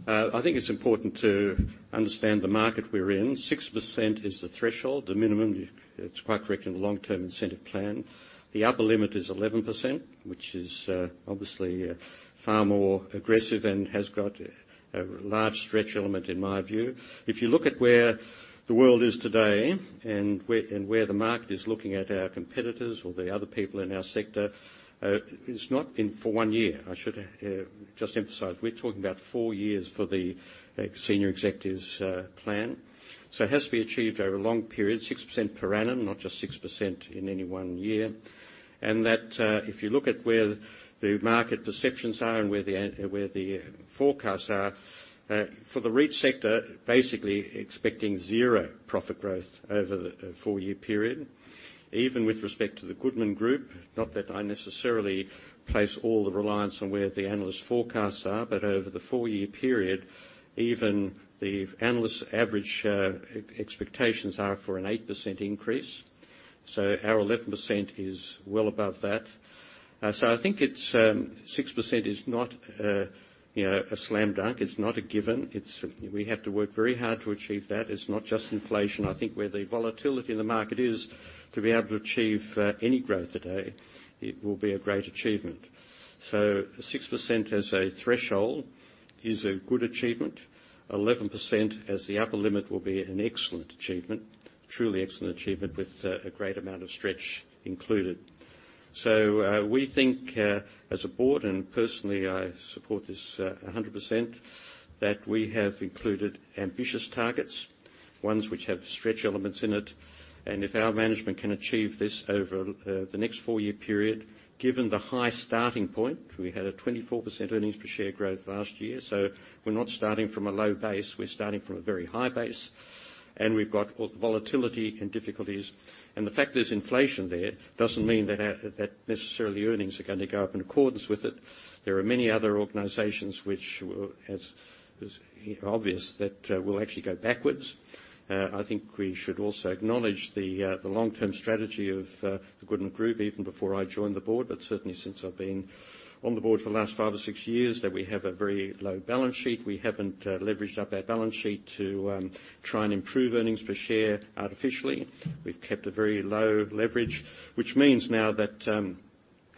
I think it's important to understand the market we're in. 6% is the threshold, the minimum. It's quite correct in the long-term incentive plan. The upper limit is 11%, which is obviously far more aggressive and has got a large stretch element in my view. If you look at where the world is today and where the market is looking at our competitors or the other people in our sector, it's not in for one year. I should just emphasize, we're talking about four years for the senior executives plan. It has to be achieved over a long period, 6% per annum, not just 6% in any one year. That, if you look at where the market perceptions are and where the forecasts are for the REIT sector, basically expecting 0% profit growth over the four-year period. Even with respect to the Goodman Group, not that I necessarily place all the reliance on where the analyst forecasts are, but over the four-year period, even the analysts' average expectations are for an 8% increase. Our 11% is well above that. I think it's six percent is not you know a slam dunk. It's not a given. We have to work very hard to achieve that. It's not just inflation. I think where the volatility in the market is to be able to achieve any growth today, it will be a great achievement. Six percent as a threshold is a good achievement. 11% as the upper limit will be an excellent achievement. Truly excellent achievement with a great amount of stretch included. We think, as a board, and personally, I support this 100%, that we have included ambitious targets. Ones which have stretch elements in it. If our management can achieve this over the next four-year period, given the high starting point, we had a 24% earnings per share growth last year. We're not starting from a low base, we're starting from a very high base, and we've got volatility and difficulties. The fact there's inflation there doesn't mean that our earnings are necessarily gonna go up in accordance with it. There are many other organizations which has, it's obvious that, will actually go backwards. I think we should also acknowledge the long-term strategy of the Goodman Group even before I joined the board, but certainly since I've been on the board for the last five or six years, that we have a very low balance sheet. We haven't leveraged up our balance sheet to try and improve earnings per share artificially. We've kept a very low leverage. Which means now that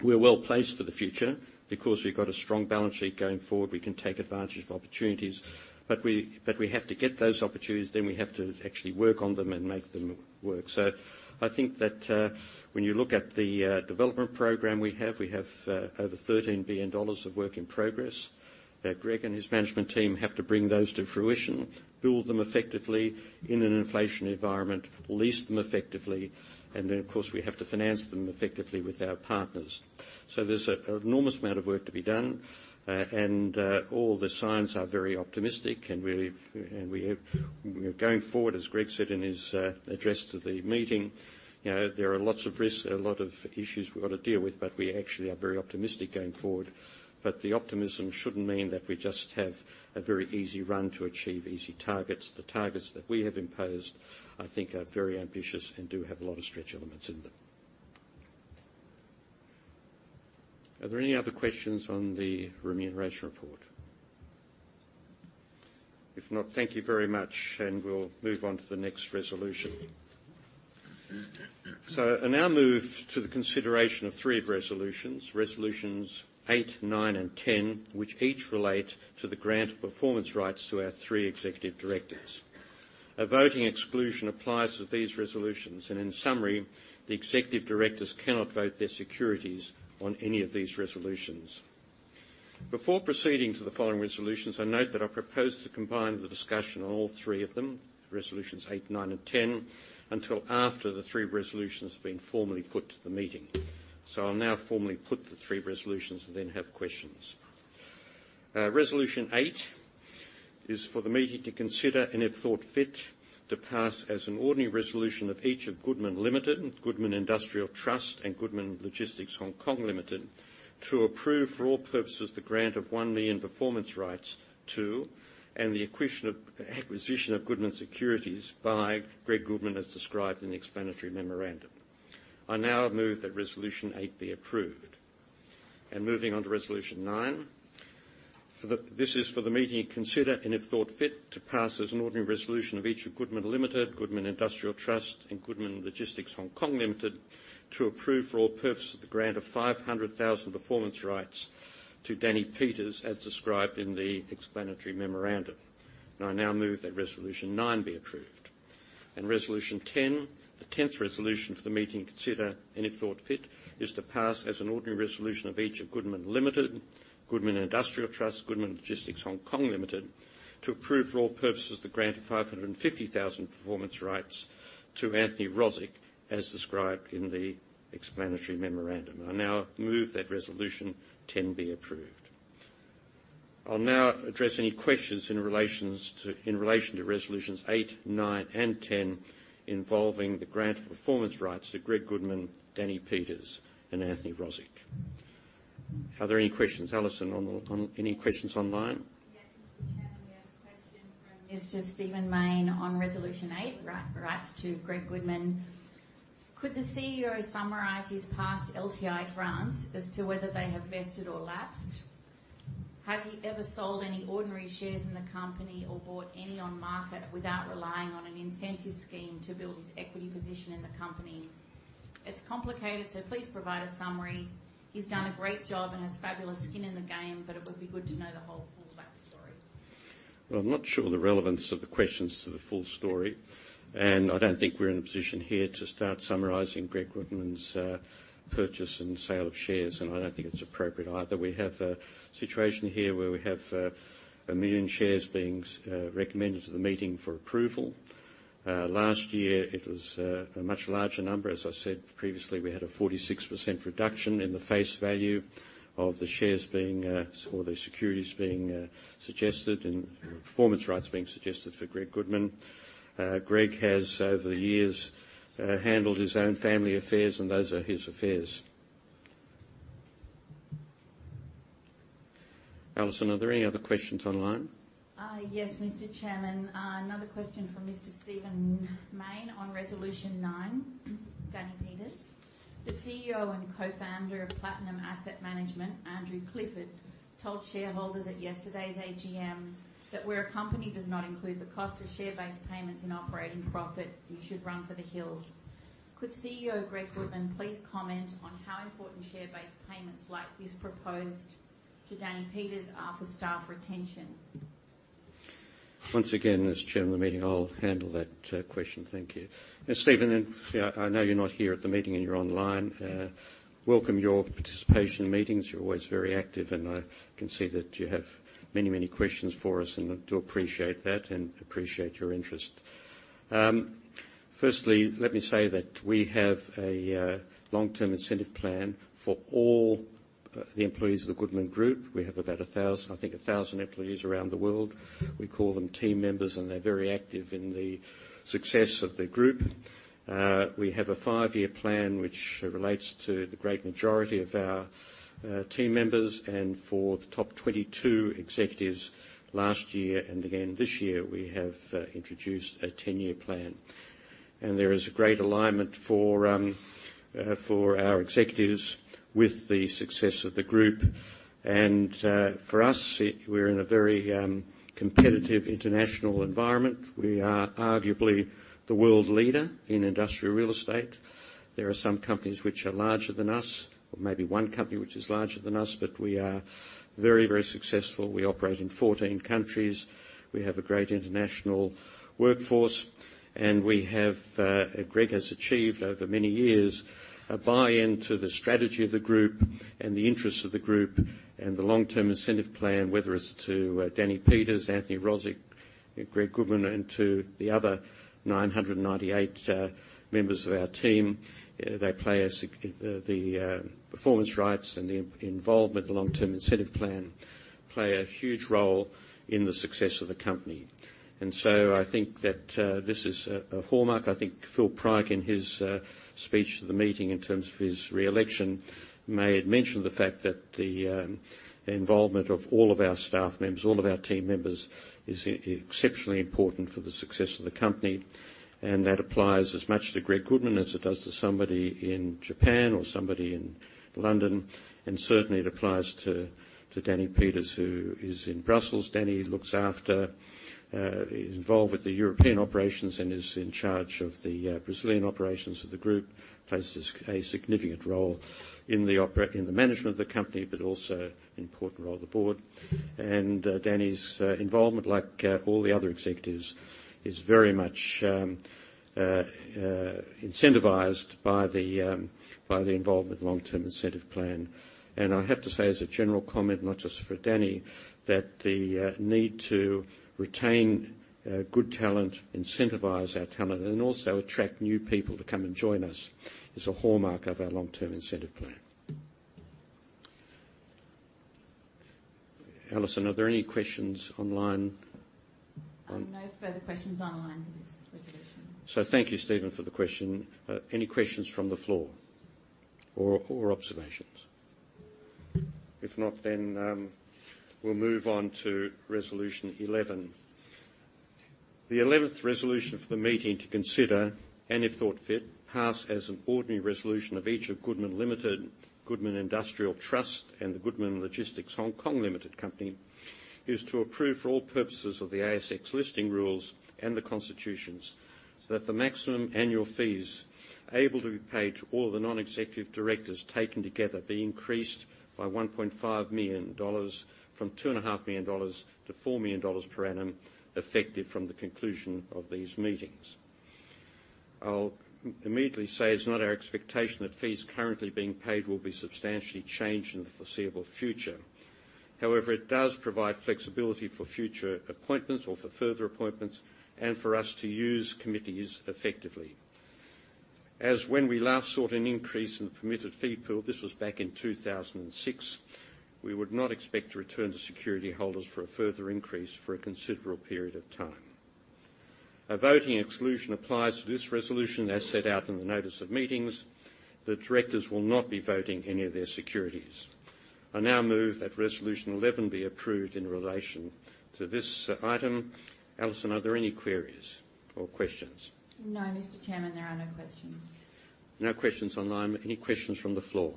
we're well-placed for the future because we've got a strong balance sheet going forward. We can take advantage of opportunities. We have to get those opportunities, then we have to actually work on them and make them work. I think that, when you look at the development program we have, we have over AUD 13 billion of work in progress that Greg and his management team have to bring those to fruition, build them effectively in an inflation environment, lease them effectively, and then of course, we have to finance them effectively with our partners. There's an enormous amount of work to be done. All the signs are very optimistic, and really going forward, as Greg said in his address to the meeting, you know, there are lots of risks, a lot of issues we've got to deal with, but we actually are very optimistic going forward. The optimism shouldn't mean that we just have a very easy run to achieve easy targets. The targets that we have imposed, I think, are very ambitious and do have a lot of stretch elements in them. Are there any other questions on the remuneration report? If not, thank you very much, and we'll move on to the next resolution. I now move to the consideration of three resolutions, eight, nine, and 10, which each relate to the grant of performance rights to our three executive directors. A voting exclusion applies to these resolutions, and in summary, the executive directors cannot vote their securities on any of these resolutions. Before proceeding to the following resolutions, I note that I propose to combine the discussion on all three of them, resolutions eight, nine, and 10, until after the three resolutions have been formally put to the meeting. I'll now formally put the three resolutions and then have questions. Resolution eight is for the meeting to consider, and if thought fit, to pass as an ordinary resolution of each of Goodman Limited, Goodman Industrial Trust, and Goodman Logistics (HK) Limited, to approve for all purposes the grant of 1 million performance rights to, and the acquisition of Goodman Securities by Gregory Goodman, as described in the explanatory memorandum. I now move that resolution eight be approved. Moving on to resolution nine. This is for the meeting to consider, and if thought fit, to pass as an ordinary resolution of each of Goodman Limited, Goodman Industrial Trust, and Goodman Logistics (HK) Limited, to approve for all purposes the grant of 500,000 performance rights to Danny Peeters, as described in the explanatory memorandum. I now move that resolution nine be approved. Resolution ten. The tenth resolution for the meeting to consider, and if thought fit, is to pass as an ordinary resolution of each of Goodman Limited, Goodman Industrial Trust, Goodman Logistics Hong Kong Limited, to approve for all purposes the grant of 550,000 performance rights to Anthony Rozic, as described in the explanatory memorandum. I now move that resolution 10 be approved. I'll now address any questions in relation to resolutions 8, 9, and 10, involving the grant of performance rights to Gregory Goodman, Danny Peeters, and Anthony Rozic. Are there any questions? Alison. Any questions online? Yes, Mr. Chairman. We have a question from Mr. Stephen Mayne on resolution eight, rights to Gregory Goodman. Could the CEO summarize his past LTI grants as to whether they have vested or lapsed? Has he ever sold any ordinary shares in the company or bought any on market without relying on an incentive scheme to build his equity position in the company? It's complicated, so please provide a summary. He's done a great job and has fabulous skin in the game, but it would be good to know the whole full back story. Well, I'm not sure the relevance of the questions to the full story, and I don't think we're in a position here to start summarizing Gregory Goodman's purchase and sale of shares, and I don't think it's appropriate either. We have a situation here where we have 1 million shares being recommended to the meeting for approval. Last year, it was a much larger number. As I said previously, we had a 46% reduction in the face value of the shares being or the securities being suggested and performance rights being suggested for Gregory Goodman. Greg has, over the years, handled his own family affairs, and those are his affairs. Alison, are there any other questions online? Yes, Mr. Chairman. Another question from Mr. Stephen Mayne on resolution nine, Danny Peeters. The CEO and co-founder of Platinum Asset Management, Andrew Clifford, told shareholders at yesterday's AGM that where a company does not include the cost of share-based payments in operating profit, you should run for the hills. Could CEO Gregory Goodman please comment on how important share-based payments like this proposed to Danny Peeters are for staff retention? Once again, as chair of the meeting, I'll handle that question. Thank you. Stephen, and I know you're not here at the meeting and you're online. Welcome your participation in meetings. You're always very active, and I can see that you have many, many questions for us, and I do appreciate that and appreciate your interest. Firstly, let me say that we have a long-term incentive plan for all the employees of the Goodman Group. We have about 1,000 employees around the world. We call them team members, and they're very active in the success of the group. We have a five-year plan which relates to the great majority of our team members. For the top 22 executives last year and again this year, we have introduced a 10-year plan. There is a great alignment for our executives with the success of the group. For us, we're in a very competitive international environment. We are arguably the world leader in industrial real estate. There are some companies which are larger than us, or maybe one company which is larger than us, but we are very, very successful. We operate in 14 countries. We have a great international workforce, and we have, Greg has achieved over many years, a buy-in to the strategy of the group and the interests of the group and the long-term incentive plan, whether it's to Danny Peeters, Anthony Rozic, Gregory Goodman, and to the other 998 members of our team. They play a signi The performance rights and the involvement long-term incentive plan play a huge role in the success of the company. I think that this is a hallmark. I think Phillip Pryke, in his speech to the meeting in terms of his re-election, may have mentioned the fact that the involvement of all of our staff members, all of our team members, is exceptionally important for the success of the company. That applies as much to Gregory Goodman as it does to somebody in Japan or somebody in London. Certainly it applies to Danny Peeters, who is in Brussels. Danny looks after is involved with the European operations and is in charge of the Brazilian operations of the group, plays a significant role in the management of the company, but also an important role on the board. Danny's involvement, like all the other executives, is very much incentivized by the involvement long-term incentive plan. I have to say, as a general comment, not just for Danny, that the need to retain good talent, incentivize our talent, and also attract new people to come and join us is a hallmark of our long-term incentive plan. Alison, are there any questions online on No further questions online for this resolution. Thank you, Stephen, for the question. Any questions from the floor or observations? If not, we'll move on to resolution 11. The 11th resolution for the meeting to consider, and if thought fit, pass as an ordinary resolution of each of Goodman Limited, Goodman Industrial Trust, and Goodman Logistics (HK) Limited, is to approve for all purposes of the ASX Listing Rules and the constitutions, so that the maximum annual fees able to be paid to all the non-executive directors taken together be increased by 1.5 million dollars from 2.5 million dollars to 4 million dollars per annum, effective from the conclusion of these meetings. I'll immediately say it's not our expectation that fees currently being paid will be substantially changed in the foreseeable future. However, it does provide flexibility for future appointments or for further appointments and for us to use committees effectively. As when we last sought an increase in the permitted fee pool, this was back in 2006, we would not expect to return to security holders for a further increase for a considerable period of time. A voting exclusion applies to this resolution, as set out in the notice of meetings. The directors will not be voting any of their securities. I now move that resolution 11 be approved in relation to this item. Alison, are there any queries or questions? No, Mr. Chairman, there are no questions. No questions online. Any questions from the floor?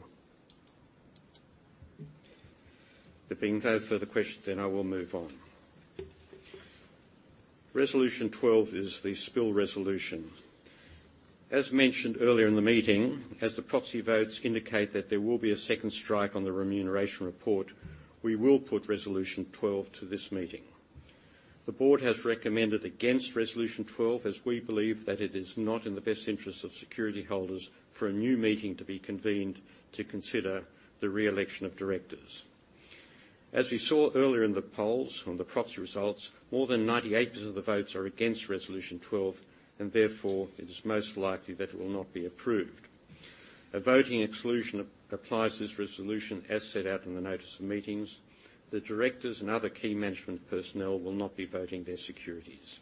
There being no further questions, I will move on. Resolution 12 is the spill resolution. As mentioned earlier in the meeting, as the proxy votes indicate that there will be a second strike on the remuneration report, we will put resolution 12 to this meeting. The board has recommended against resolution 12 as we believe that it is not in the best interest of security holders for a new meeting to be convened to consider the re-election of directors. As we saw earlier in the polls from the proxy results, more than 98% of the votes are against resolution 12, and therefore it is most likely that it will not be approved. A voting exclusion applies to this resolution, as set out in the notice of meetings. The directors and other key management personnel will not be voting their securities.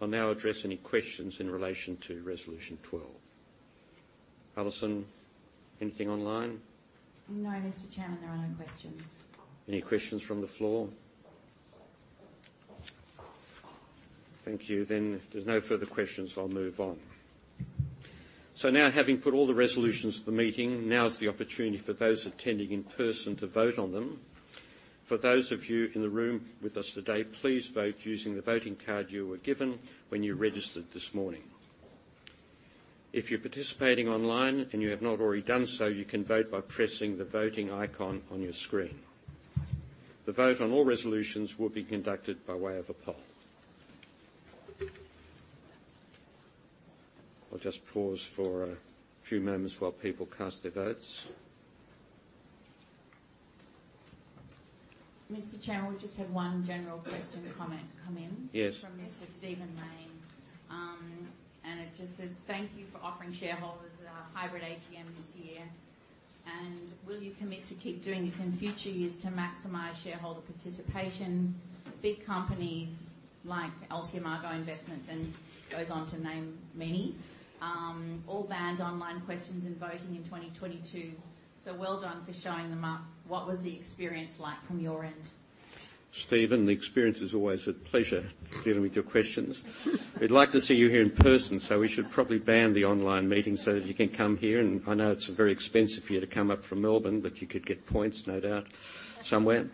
I'll now address any questions in relation to resolution 12. Alison, anything online? No, Mr. Chairman, there are no questions. Any questions from the floor? Thank you. If there's no further questions, I'll move on. Now having put all the resolutions to the meeting, now is the opportunity for those attending in person to vote on them. For those of you in the room with us today, please vote using the voting card you were given when you registered this morning. If you're participating online and you have not already done so, you can vote by pressing the voting icon on your screen. The vote on all resolutions will be conducted by way of a poll. I'll just pause for a few moments while people cast their votes. Mr. Chairman, we've just had one general question, comment come in. Yes... from Mr. Stephen Mayne. It just says, "Thank you for offering shareholders a hybrid AGM this year. Will you commit to keep doing this in future years to maximize shareholder participation? Big companies like Argo Investments," and it goes on to name many, "all banned online questions and voting in 2022. Well done for showing them up. What was the experience like from your end? Stephen, the experience is always a pleasure dealing with your questions. We'd like to see you here in person, so we should probably ban the online meeting so that you can come here. I know it's very expensive for you to come up from Melbourne, but you could get points no doubt somewhere.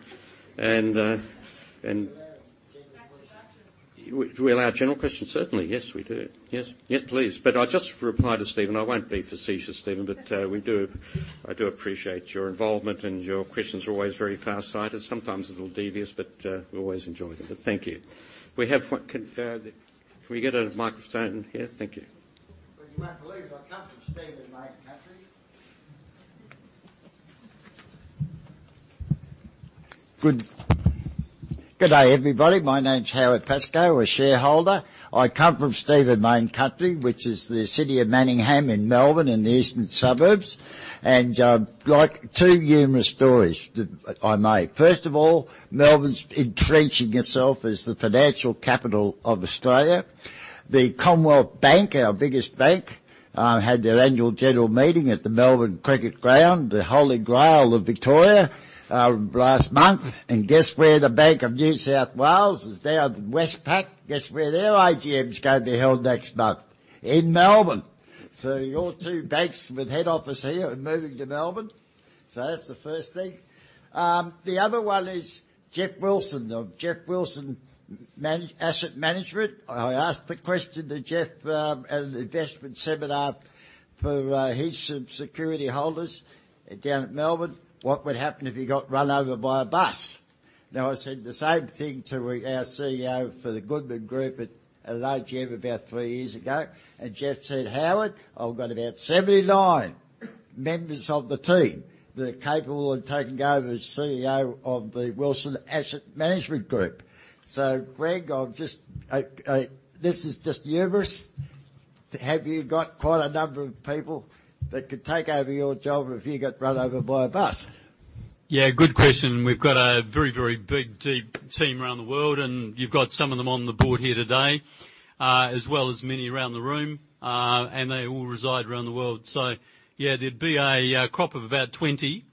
General questions. Certainly. Yes, we do. Yes. Yes, please. I'll just reply to Stephen. I won't be facetious, Stephen, but we do. I do appreciate your involvement, and your questions are always very far-sighted. Sometimes a little devious, but we always enjoy them. Thank you. We have one. Can we get a microphone here? Thank you. Well, you won't believe I come from Stephen Mayne country. Good day, everybody. My name's Howard Paskow, a shareholder. I come from Stephen Mayne country, which is the City of Manningham in Melbourne, in the eastern suburbs. Like two humorous stories that if I may. First of all, Melbourne's entrenching itself as the financial capital of Australia. The Commonwealth Bank, our biggest bank, had their annual general meeting at the Melbourne Cricket Ground, the Holy Grail of Victoria, last month. Guess where the Bank of New South Wales is now? The Westpac. Guess where their AGM's going to be held next month? In Melbourne. Your two banks with head office here are moving to Melbourne. That's the first thing. The other one is Geoff Wilson of Wilson Asset Management. I asked the question to Geoff Wilson at an investment seminar for his security holders in Melbourne, what would happen if he got run over by a bus. Now, I said the same thing to our CEO of the Goodman Group at an AGM about three years ago. Geoff Wilson said, "Howard, I've got about 79 members of the team that are capable of taking over as CEO of the Wilson Asset Management." Greg Goodman, this is just humorous. Have you got quite a number of people that could take over your job if you got run over by a bus? Yeah, good question. We've got a very, very big, deep team around the world, and you've got some of them on the board here today, as well as many around the room. They all reside around the world. Yeah, there'd be a crop of about 20.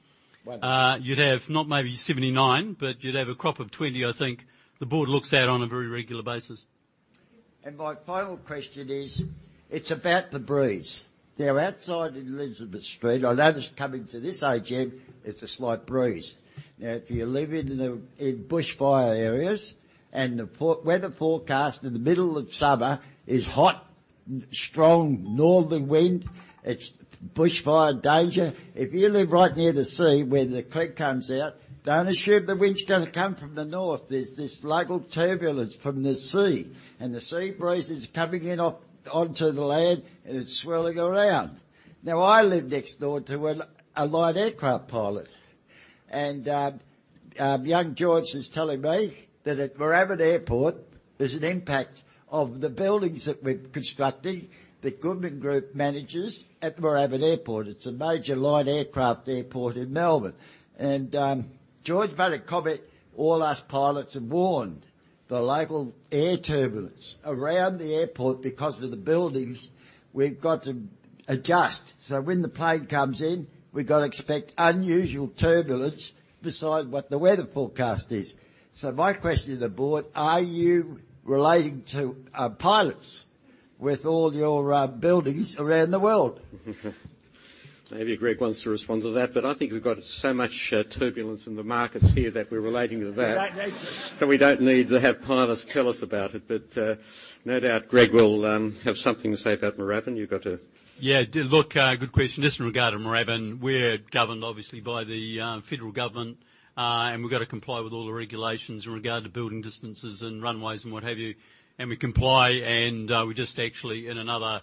Wonderful. You'd have not maybe 79, but you'd have a crop of 20, I think. The board looks at on a very regular basis. My final question is, it's about the breeze. Now, outside in Elizabeth Street, I noticed coming to this AGM, it's a slight breeze. Now, if you live in bushfire areas, and the weather forecast in the middle of summer is hot, strong northerly wind. It's bushfire danger. If you live right near the sea, where the creek comes out, don't assume the wind's gonna come from the north. There's this local turbulence from the sea, and the sea breeze is coming in off onto the land, and it's swirling around. Now, I live next door to a light aircraft pilot. Young George is telling me that at Moorabbin Airport, there's an impact of the buildings that we're constructing, that Goodman Group manages at the Moorabbin Airport. It's a major light aircraft airport in Melbourne. George made a comment, "All us pilots have warned. The local air turbulence around the airport because of the buildings, we've got to adjust. So when the plane comes in, we've got to expect unusual turbulence beside what the weather forecast is." My question to the board, are you relating to pilots with all your buildings around the world? Maybe Greg wants to respond to that. I think we've got so much turbulence in the markets here that we're relating to that. Right. We don't need to have pilots tell us about it. No doubt Greg will have something to say about Moorabbin. You got a- Yeah. Look, good question. Just in regard to Moorabbin, we're governed obviously by the federal government. We've got to comply with all the regulations in regard to building distances and runways and what have you. We comply, and we're just actually in another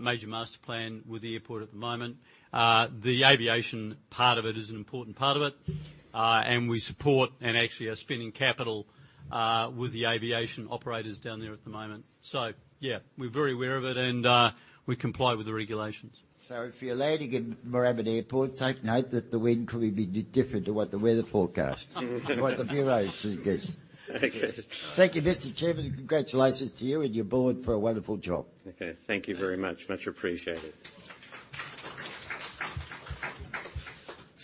major master plan with the airport at the moment. The aviation part of it is an important part of it. We support and actually are spending capital with the aviation operators down there at the moment. Yeah, we're very aware of it and we comply with the regulations. If you're landing in Moorabbin Airport, take note that the wind could be different to what the weather forecast or what the bureau suggests. Thank you, Mr. Chairman. Congratulations to you and your board for a wonderful job. Okay. Thank you very much. Much appreciated.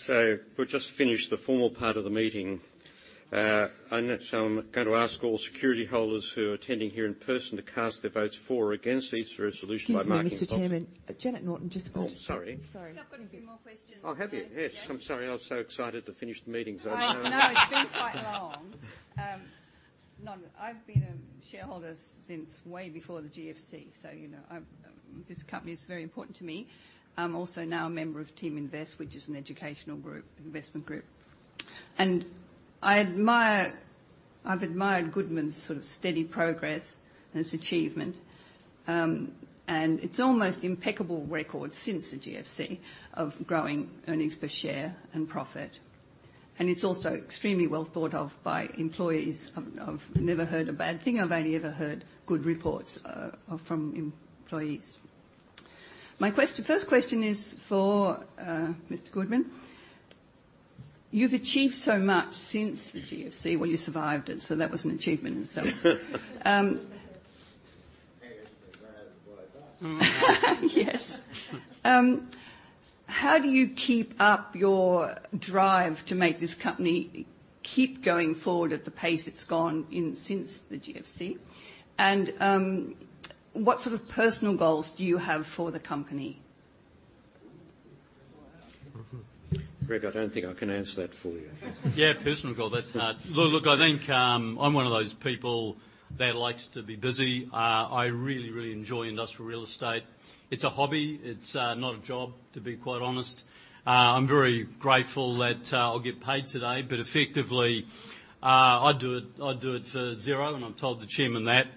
We've just finished the formal part of the meeting. I'm going to ask all security holders who are attending here in person to cast their votes for or against each resolution by marking. Excuse me, Mr. Chairman. Janet Norton just wanted- Oh, sorry. Sorry. I've got a few more questions. Oh, have you? Yeah. Yes. I'm sorry. I was so excited to finish the meeting, so. I know. It's been quite long. No, I've been a shareholder since way before the GFC, so you know, this company is very important to me. I'm also now a member of Teaminvest, which is an educational group, investment group. I've admired Goodman's sort of steady progress and its achievement, and it's almost impeccable record since the GFC of growing earnings per share and profit, and it's also extremely well thought of by employees. I've never heard a bad thing. I've only ever heard good reports from employees. My first question is for Mr. Goodman. You've achieved so much since the GFC. Well, you survived it, so that was an achievement in itself. Hey, it's been better than I thought. Yes. How do you keep up your drive to make this company keep going forward at the pace it's gone in since the GFC? What sort of personal goals do you have for the company? Greg, I don't think I can answer that for you. Yeah, personal goal, that's hard. Look, I think I'm one of those people that likes to be busy. I really, really enjoy industrial real estate. It's a hobby. It's not a job, to be quite honest. I'm very grateful that I'll get paid today, but effectively, I'd do it for zero, and I've told the chairman that.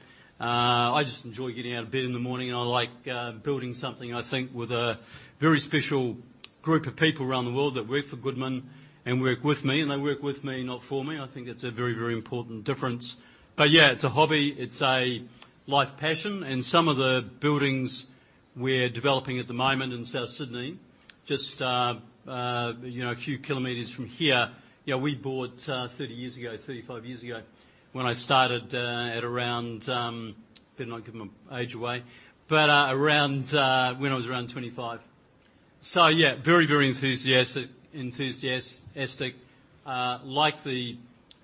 I just enjoy getting out of bed in the morning, and I like building something, I think, with a very special group of people around the world that work for Goodman and work with me, and they work with me, not for me. I think it's a very, very important difference. Yeah, it's a hobby. It's a life passion. Some of the buildings we're developing at the moment in South Sydney, just you know a few kilometers from here, you know, we bought 30 years ago, 35 years ago, when I started at around better not give my age away, but around when I was around 25. Yeah, very enthusiastic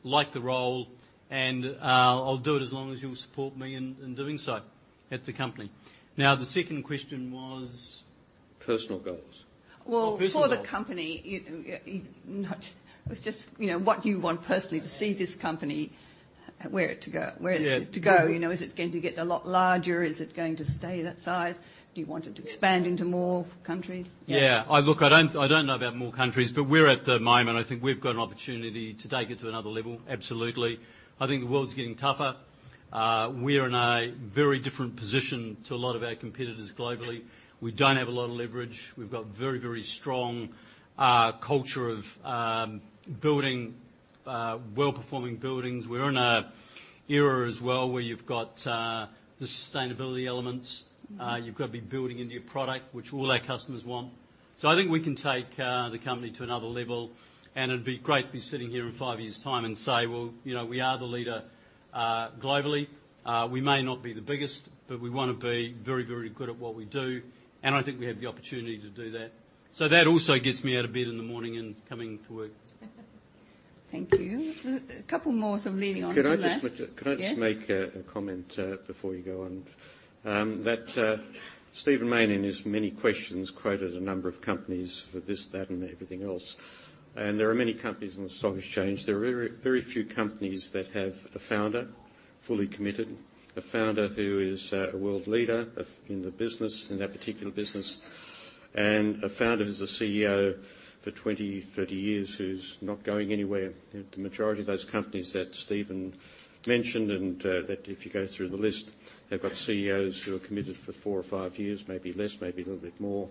like the role, and I'll do it as long as you'll support me in doing so at the company. Now, the second question was? Personal goals. Well, for the company, it's just, you know, what you want personally to see this company, where to go, where it's to go. Yeah. Mm-hmm. You know, is it going to get a lot larger? Is it going to stay that size? Do you want it to expand into more countries? Yeah. Look, I don't know about more countries, but we're at the moment, I think we've got an opportunity to take it to another level. Absolutely. I think the world's getting tougher. We're in a very different position to a lot of our competitors globally. We don't have a lot of leverage. We've got very, very strong culture of building well-performing buildings. We're in an era as well where you've got the sustainability elements. Mm-hmm. You've got to be building a new product, which all our customers want. I think we can take the company to another level, and it'd be great to be sitting here in five years' time and say, "Well, you know, we are the leader globally. We may not be the biggest, but we wanna be very, very good at what we do," and I think we have the opportunity to do that. That also gets me out of bed in the morning and coming to work. Thank you. A couple more, I'm leading on from that. Can I just make a- Yeah. Can I just make a comment before you go on? That Stephen Mayne in his many questions quoted a number of companies for this, that, and everything else, and there are many companies on the stock exchange. There are very, very few companies that have a founder, fully committed, a founder who is a world leader of in the business, in that particular business, and a founder who's a CEO for 20, 30 years, who's not going anywhere. The majority of those companies that Stephen mentioned and that if you go through the list, have got CEOs who are committed for four or five years, maybe less, maybe a little bit more.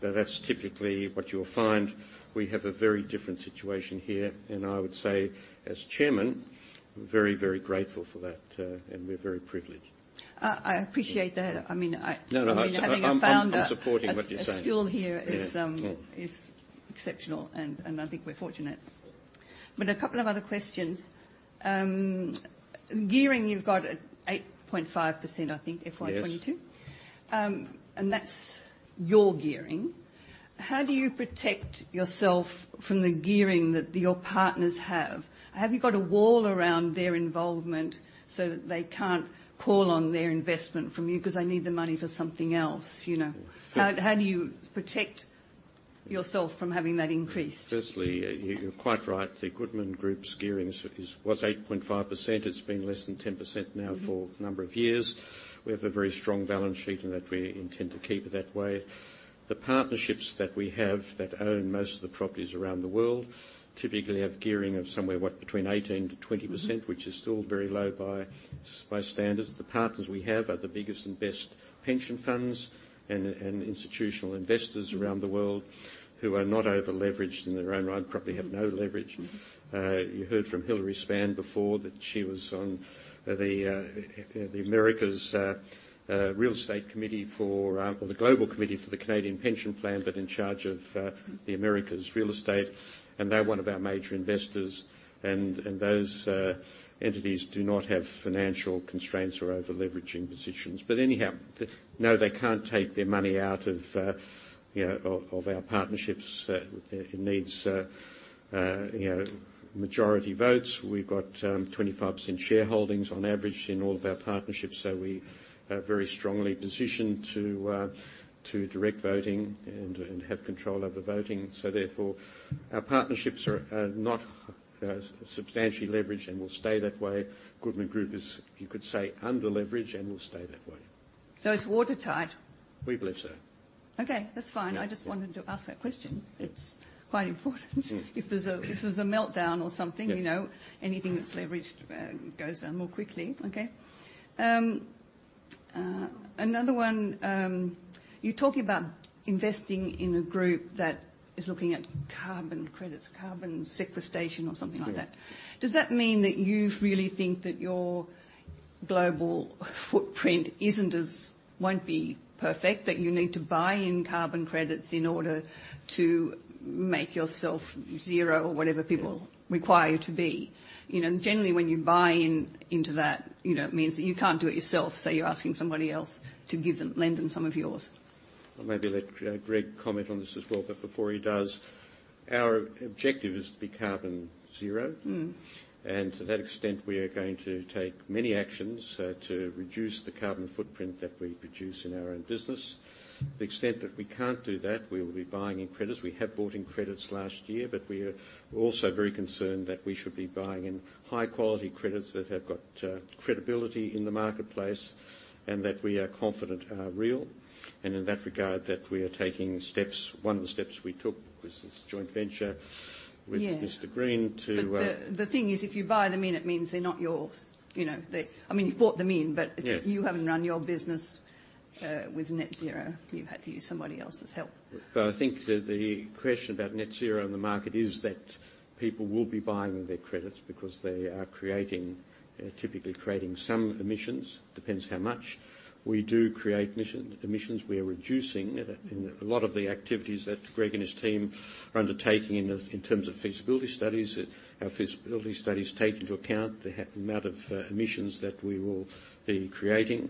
That's typically what you'll find. We have a very different situation here, and I would say, as chairman, very, very grateful for that, and we're very privileged. I appreciate that. I mean. No, I'm supporting what you're saying. Stilll here is exceptional, and I think we're fortunate. A couple of other questions. Gearing, you've got 8.5%, I think. Yes FY 22. That's your gearing. How do you protect yourself from the gearing that your partners have? Have you got a wall around their involvement so that they can't call on their investment from you because they need the money for something else? You know. How do you protect yourself from having that increased? Firstly, you're quite right. The Goodman Group's gearing is was 8.5%. It's been less than 10% now. Mm-hmm for a number of years. We have a very strong balance sheet, and that we intend to keep it that way. The partnerships that we have that own most of the properties around the world typically have gearing of somewhere, what, between 18%-20%. Mm-hmm... which is still very low by standards. The partners we have are the biggest and best pension funds and institutional investors around the world who are not over-leveraged in their own right probably have no leverage. You heard from Hilary Spann before that she was on the Americas Real Estate Committee or the Global Committee for the Canada Pension Plan, but in charge of the Americas Real Estate, and they're one of our major investors. Those entities do not have financial constraints or over-leveraging positions. Anyhow, no, they can't take their money out of, you know, of our partnerships. It needs, you know, majority votes. We've got 25% shareholdings on average in all of our partnerships, so we are very strongly positioned to direct voting and have control over voting. Therefore, our partnerships are not substantially leveraged and will stay that way. Goodman Group is, you could say, underleveraged and will stay that way. It's watertight? We believe so. Okay, that's fine. Yeah. I just wanted to ask that question. It's quite important. Yeah. If there's a meltdown or something. Yeah you know, anything that's leveraged goes down more quickly. Okay. Another one, you talk about investing in a group that is looking at carbon credits, carbon sequestration or something like that. Yeah. Does that mean that you really think that your global footprint won't be perfect, that you need to buy in carbon credits in order to make yourself zero or whatever people? Yeah Require you to be? You know, generally when you buy into that, you know, it means that you can't do it yourself, so you're asking somebody else to lend them some of yours. I'll maybe let Greg comment on this as well, but before he does, our objective is to be carbon zero. Mm-hmm. To that extent, we are going to take many actions to reduce the carbon footprint that we produce in our own business. To the extent that we can't do that, we will be buying in credits. We have bought in credits last year, but we are also very concerned that we should be buying in high quality credits that have got credibility in the marketplace and that we are confident are real. In that regard, that we are taking steps. One of the steps we took was this joint venture- Yeah with Mr. Green to The thing is, if you buy them in, it means they're not yours. You know, they, I mean, you've bought them in, but Yeah It's you haven't run your business with net zero. You've had to use somebody else's help. I think the question about net zero in the market is that people will be buying their credits because they are typically creating some emissions. Depends how much. We do create emissions. We are reducing. A lot of the activities that Greg and his team are undertaking in terms of feasibility studies, our feasibility studies take into account the amount of emissions that we will be creating.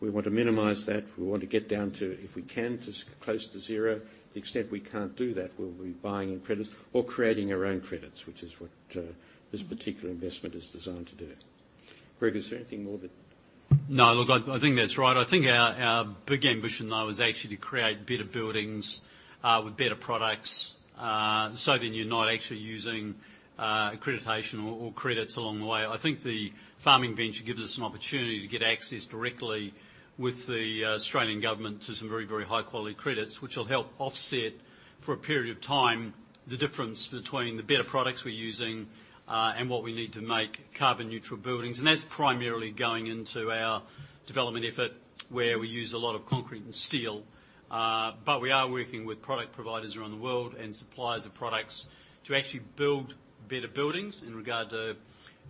We want to minimize that. We want to get down to, if we can, close to zero. To the extent we can't do that, we'll be buying in credits or creating our own credits, which is what this particular investment is designed to do. Greg, is there anything more that No, look, I think that's right. I think our big ambition though is actually to create better buildings with better products. You're not actually using accreditation or credits along the way. I think the farming venture gives us an opportunity to get access directly with the Australian government to some very high-quality credits, which will help offset for a period of time the difference between the better products we're using and what we need to make carbon neutral buildings. That's primarily going into our development effort where we use a lot of concrete and steel. We are working with product providers around the world and suppliers of products to actually build better buildings in regard to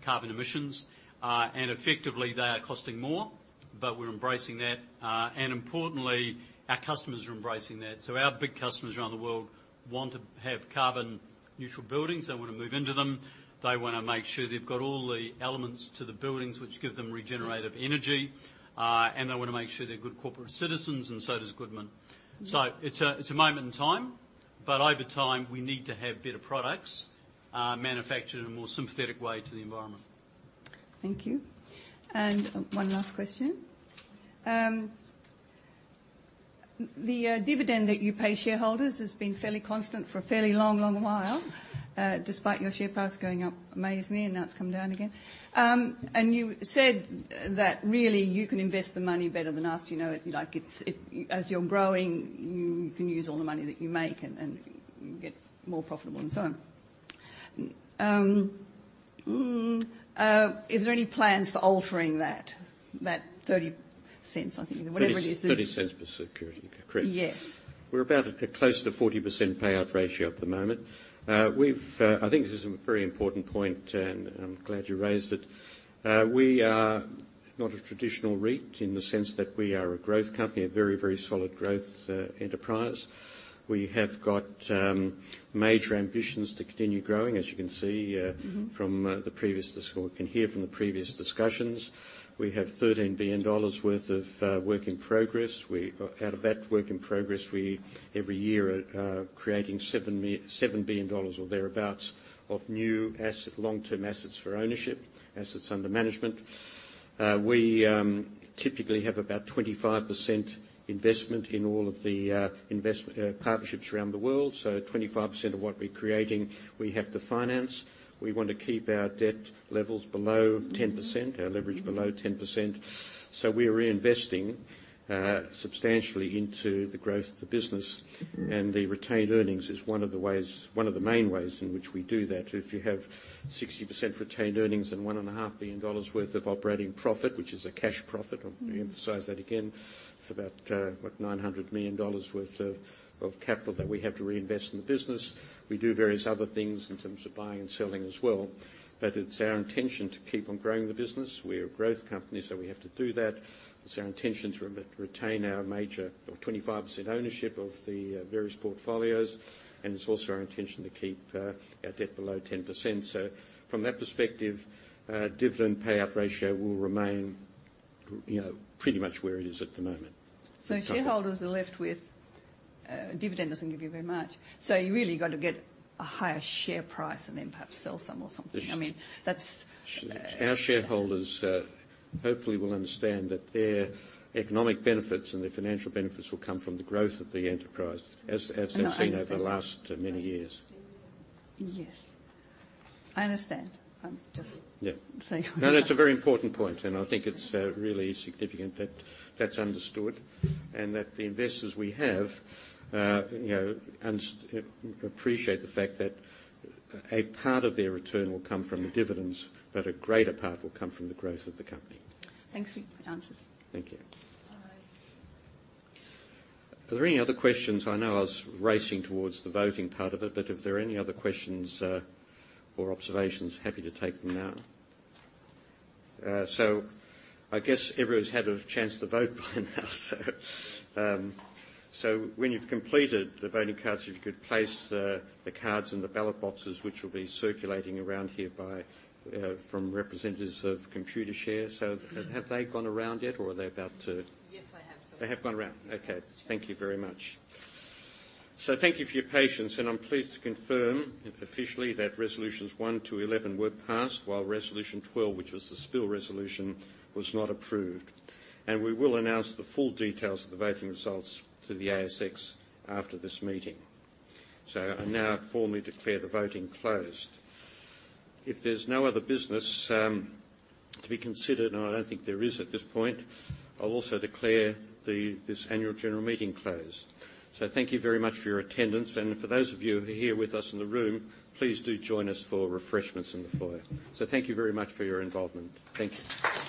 carbon emissions. Effectively they are costing more, but we're embracing that. Importantly, our customers are embracing that. Our big customers around the world want to have carbon neutral buildings. They wanna move into them. They wanna make sure they've got all the elements to the buildings which give them regenerative energy. They wanna make sure they're good corporate citizens, and so does Goodman. Yeah. It's a moment in time, but over time we need to have better products manufactured in a more sympathetic way to the environment. Thank you. One last question. The dividend that you pay shareholders has been fairly constant for a fairly long while, despite your share price going up amazingly and now it's come down again. You said that really you can invest the money better than us. You know, if you like, as you're growing, you can use all the money that you make and you get more profitable and so on. Is there any plans for altering that 0.30 I think it is? Whatever it is that AUD 0.30 per security. Correct. Yes. We're about at close to 40% payout ratio at the moment. We've. I think this is a very important point, and I'm glad you raised it. We are not a traditional REIT in the sense that we are a growth company, a very, very solid growth enterprise. We have got major ambitions to continue growing, as you can see. Mm-hmm from the previous discussion or can hear from the previous discussions. We have 13 billion dollars worth of work in progress. Out of that work in progress, we every year are creating AUD 7 billion or thereabouts of new asset, long-term assets for ownership, assets under management. We typically have about 25% investment in all of the partnerships around the world. 25% of what we're creating, we have to finance. We want to keep our debt levels below 10%. Mm-hmm our leverage below 10%. We are reinvesting substantially into the growth of the business. Mm-hmm. The retained earnings is one of the ways, one of the main ways in which we do that. If you have 60% retained earnings and 1.5 billion dollars worth of operating profit, which is a cash profit. Mm-hmm Let me emphasize that again. It's about what, 900 million dollars worth of capital that we have to reinvest in the business. We do various other things in terms of buying and selling as well. It's our intention to keep on growing the business. We're a growth company, so we have to do that. It's our intention to retain our major or 25% ownership of the various portfolios, and it's also our intention to keep our debt below 10%. From that perspective, dividend payout ratio will remain, you know, pretty much where it is at the moment. Shareholders are left with, dividend doesn't give you very much. You really got to get a higher share price and then perhaps sell some or something. Yes. I mean, that's. Our shareholders, hopefully will understand that their economic benefits and their financial benefits will come from the growth of the enterprise as they've seen. No, I understand.... over the last many years. Yes. I understand. Yeah Just saying.. No, that's a very important point, and I think it's really significant that that's understood and that the investors we have, you know, appreciate the fact that a part of their return will come from the dividends, but a greater part will come from the growth of the company. Thanks for your answers. Thank you. Are there any other questions? I know I was racing towards the voting part of it, but if there are any other questions, or observations, happy to take them now. I guess everyone's had a chance to vote by now. When you've completed the voting cards, if you could place the cards in the ballot boxes which will be circulating around here from representatives of Computershare. Have they gone around yet or are they about to? Yes, they have, Sir. They have gone around. Yes. Okay. Thank you very much. Thank you for your patience, and I'm pleased to confirm officially that resolutions one to 11 were passed, while resolution 12, which was the spill resolution, was not approved. We will announce the full details of the voting results to the ASX after this meeting. I now formally declare the voting closed. If there's no other business to be considered, and I don't think there is at this point, I'll also declare this annual general meeting closed. Thank you very much for your attendance. For those of you who are here with us in the room, please do join us for refreshments in the foyer. Thank you very much for your involvement. Thank you.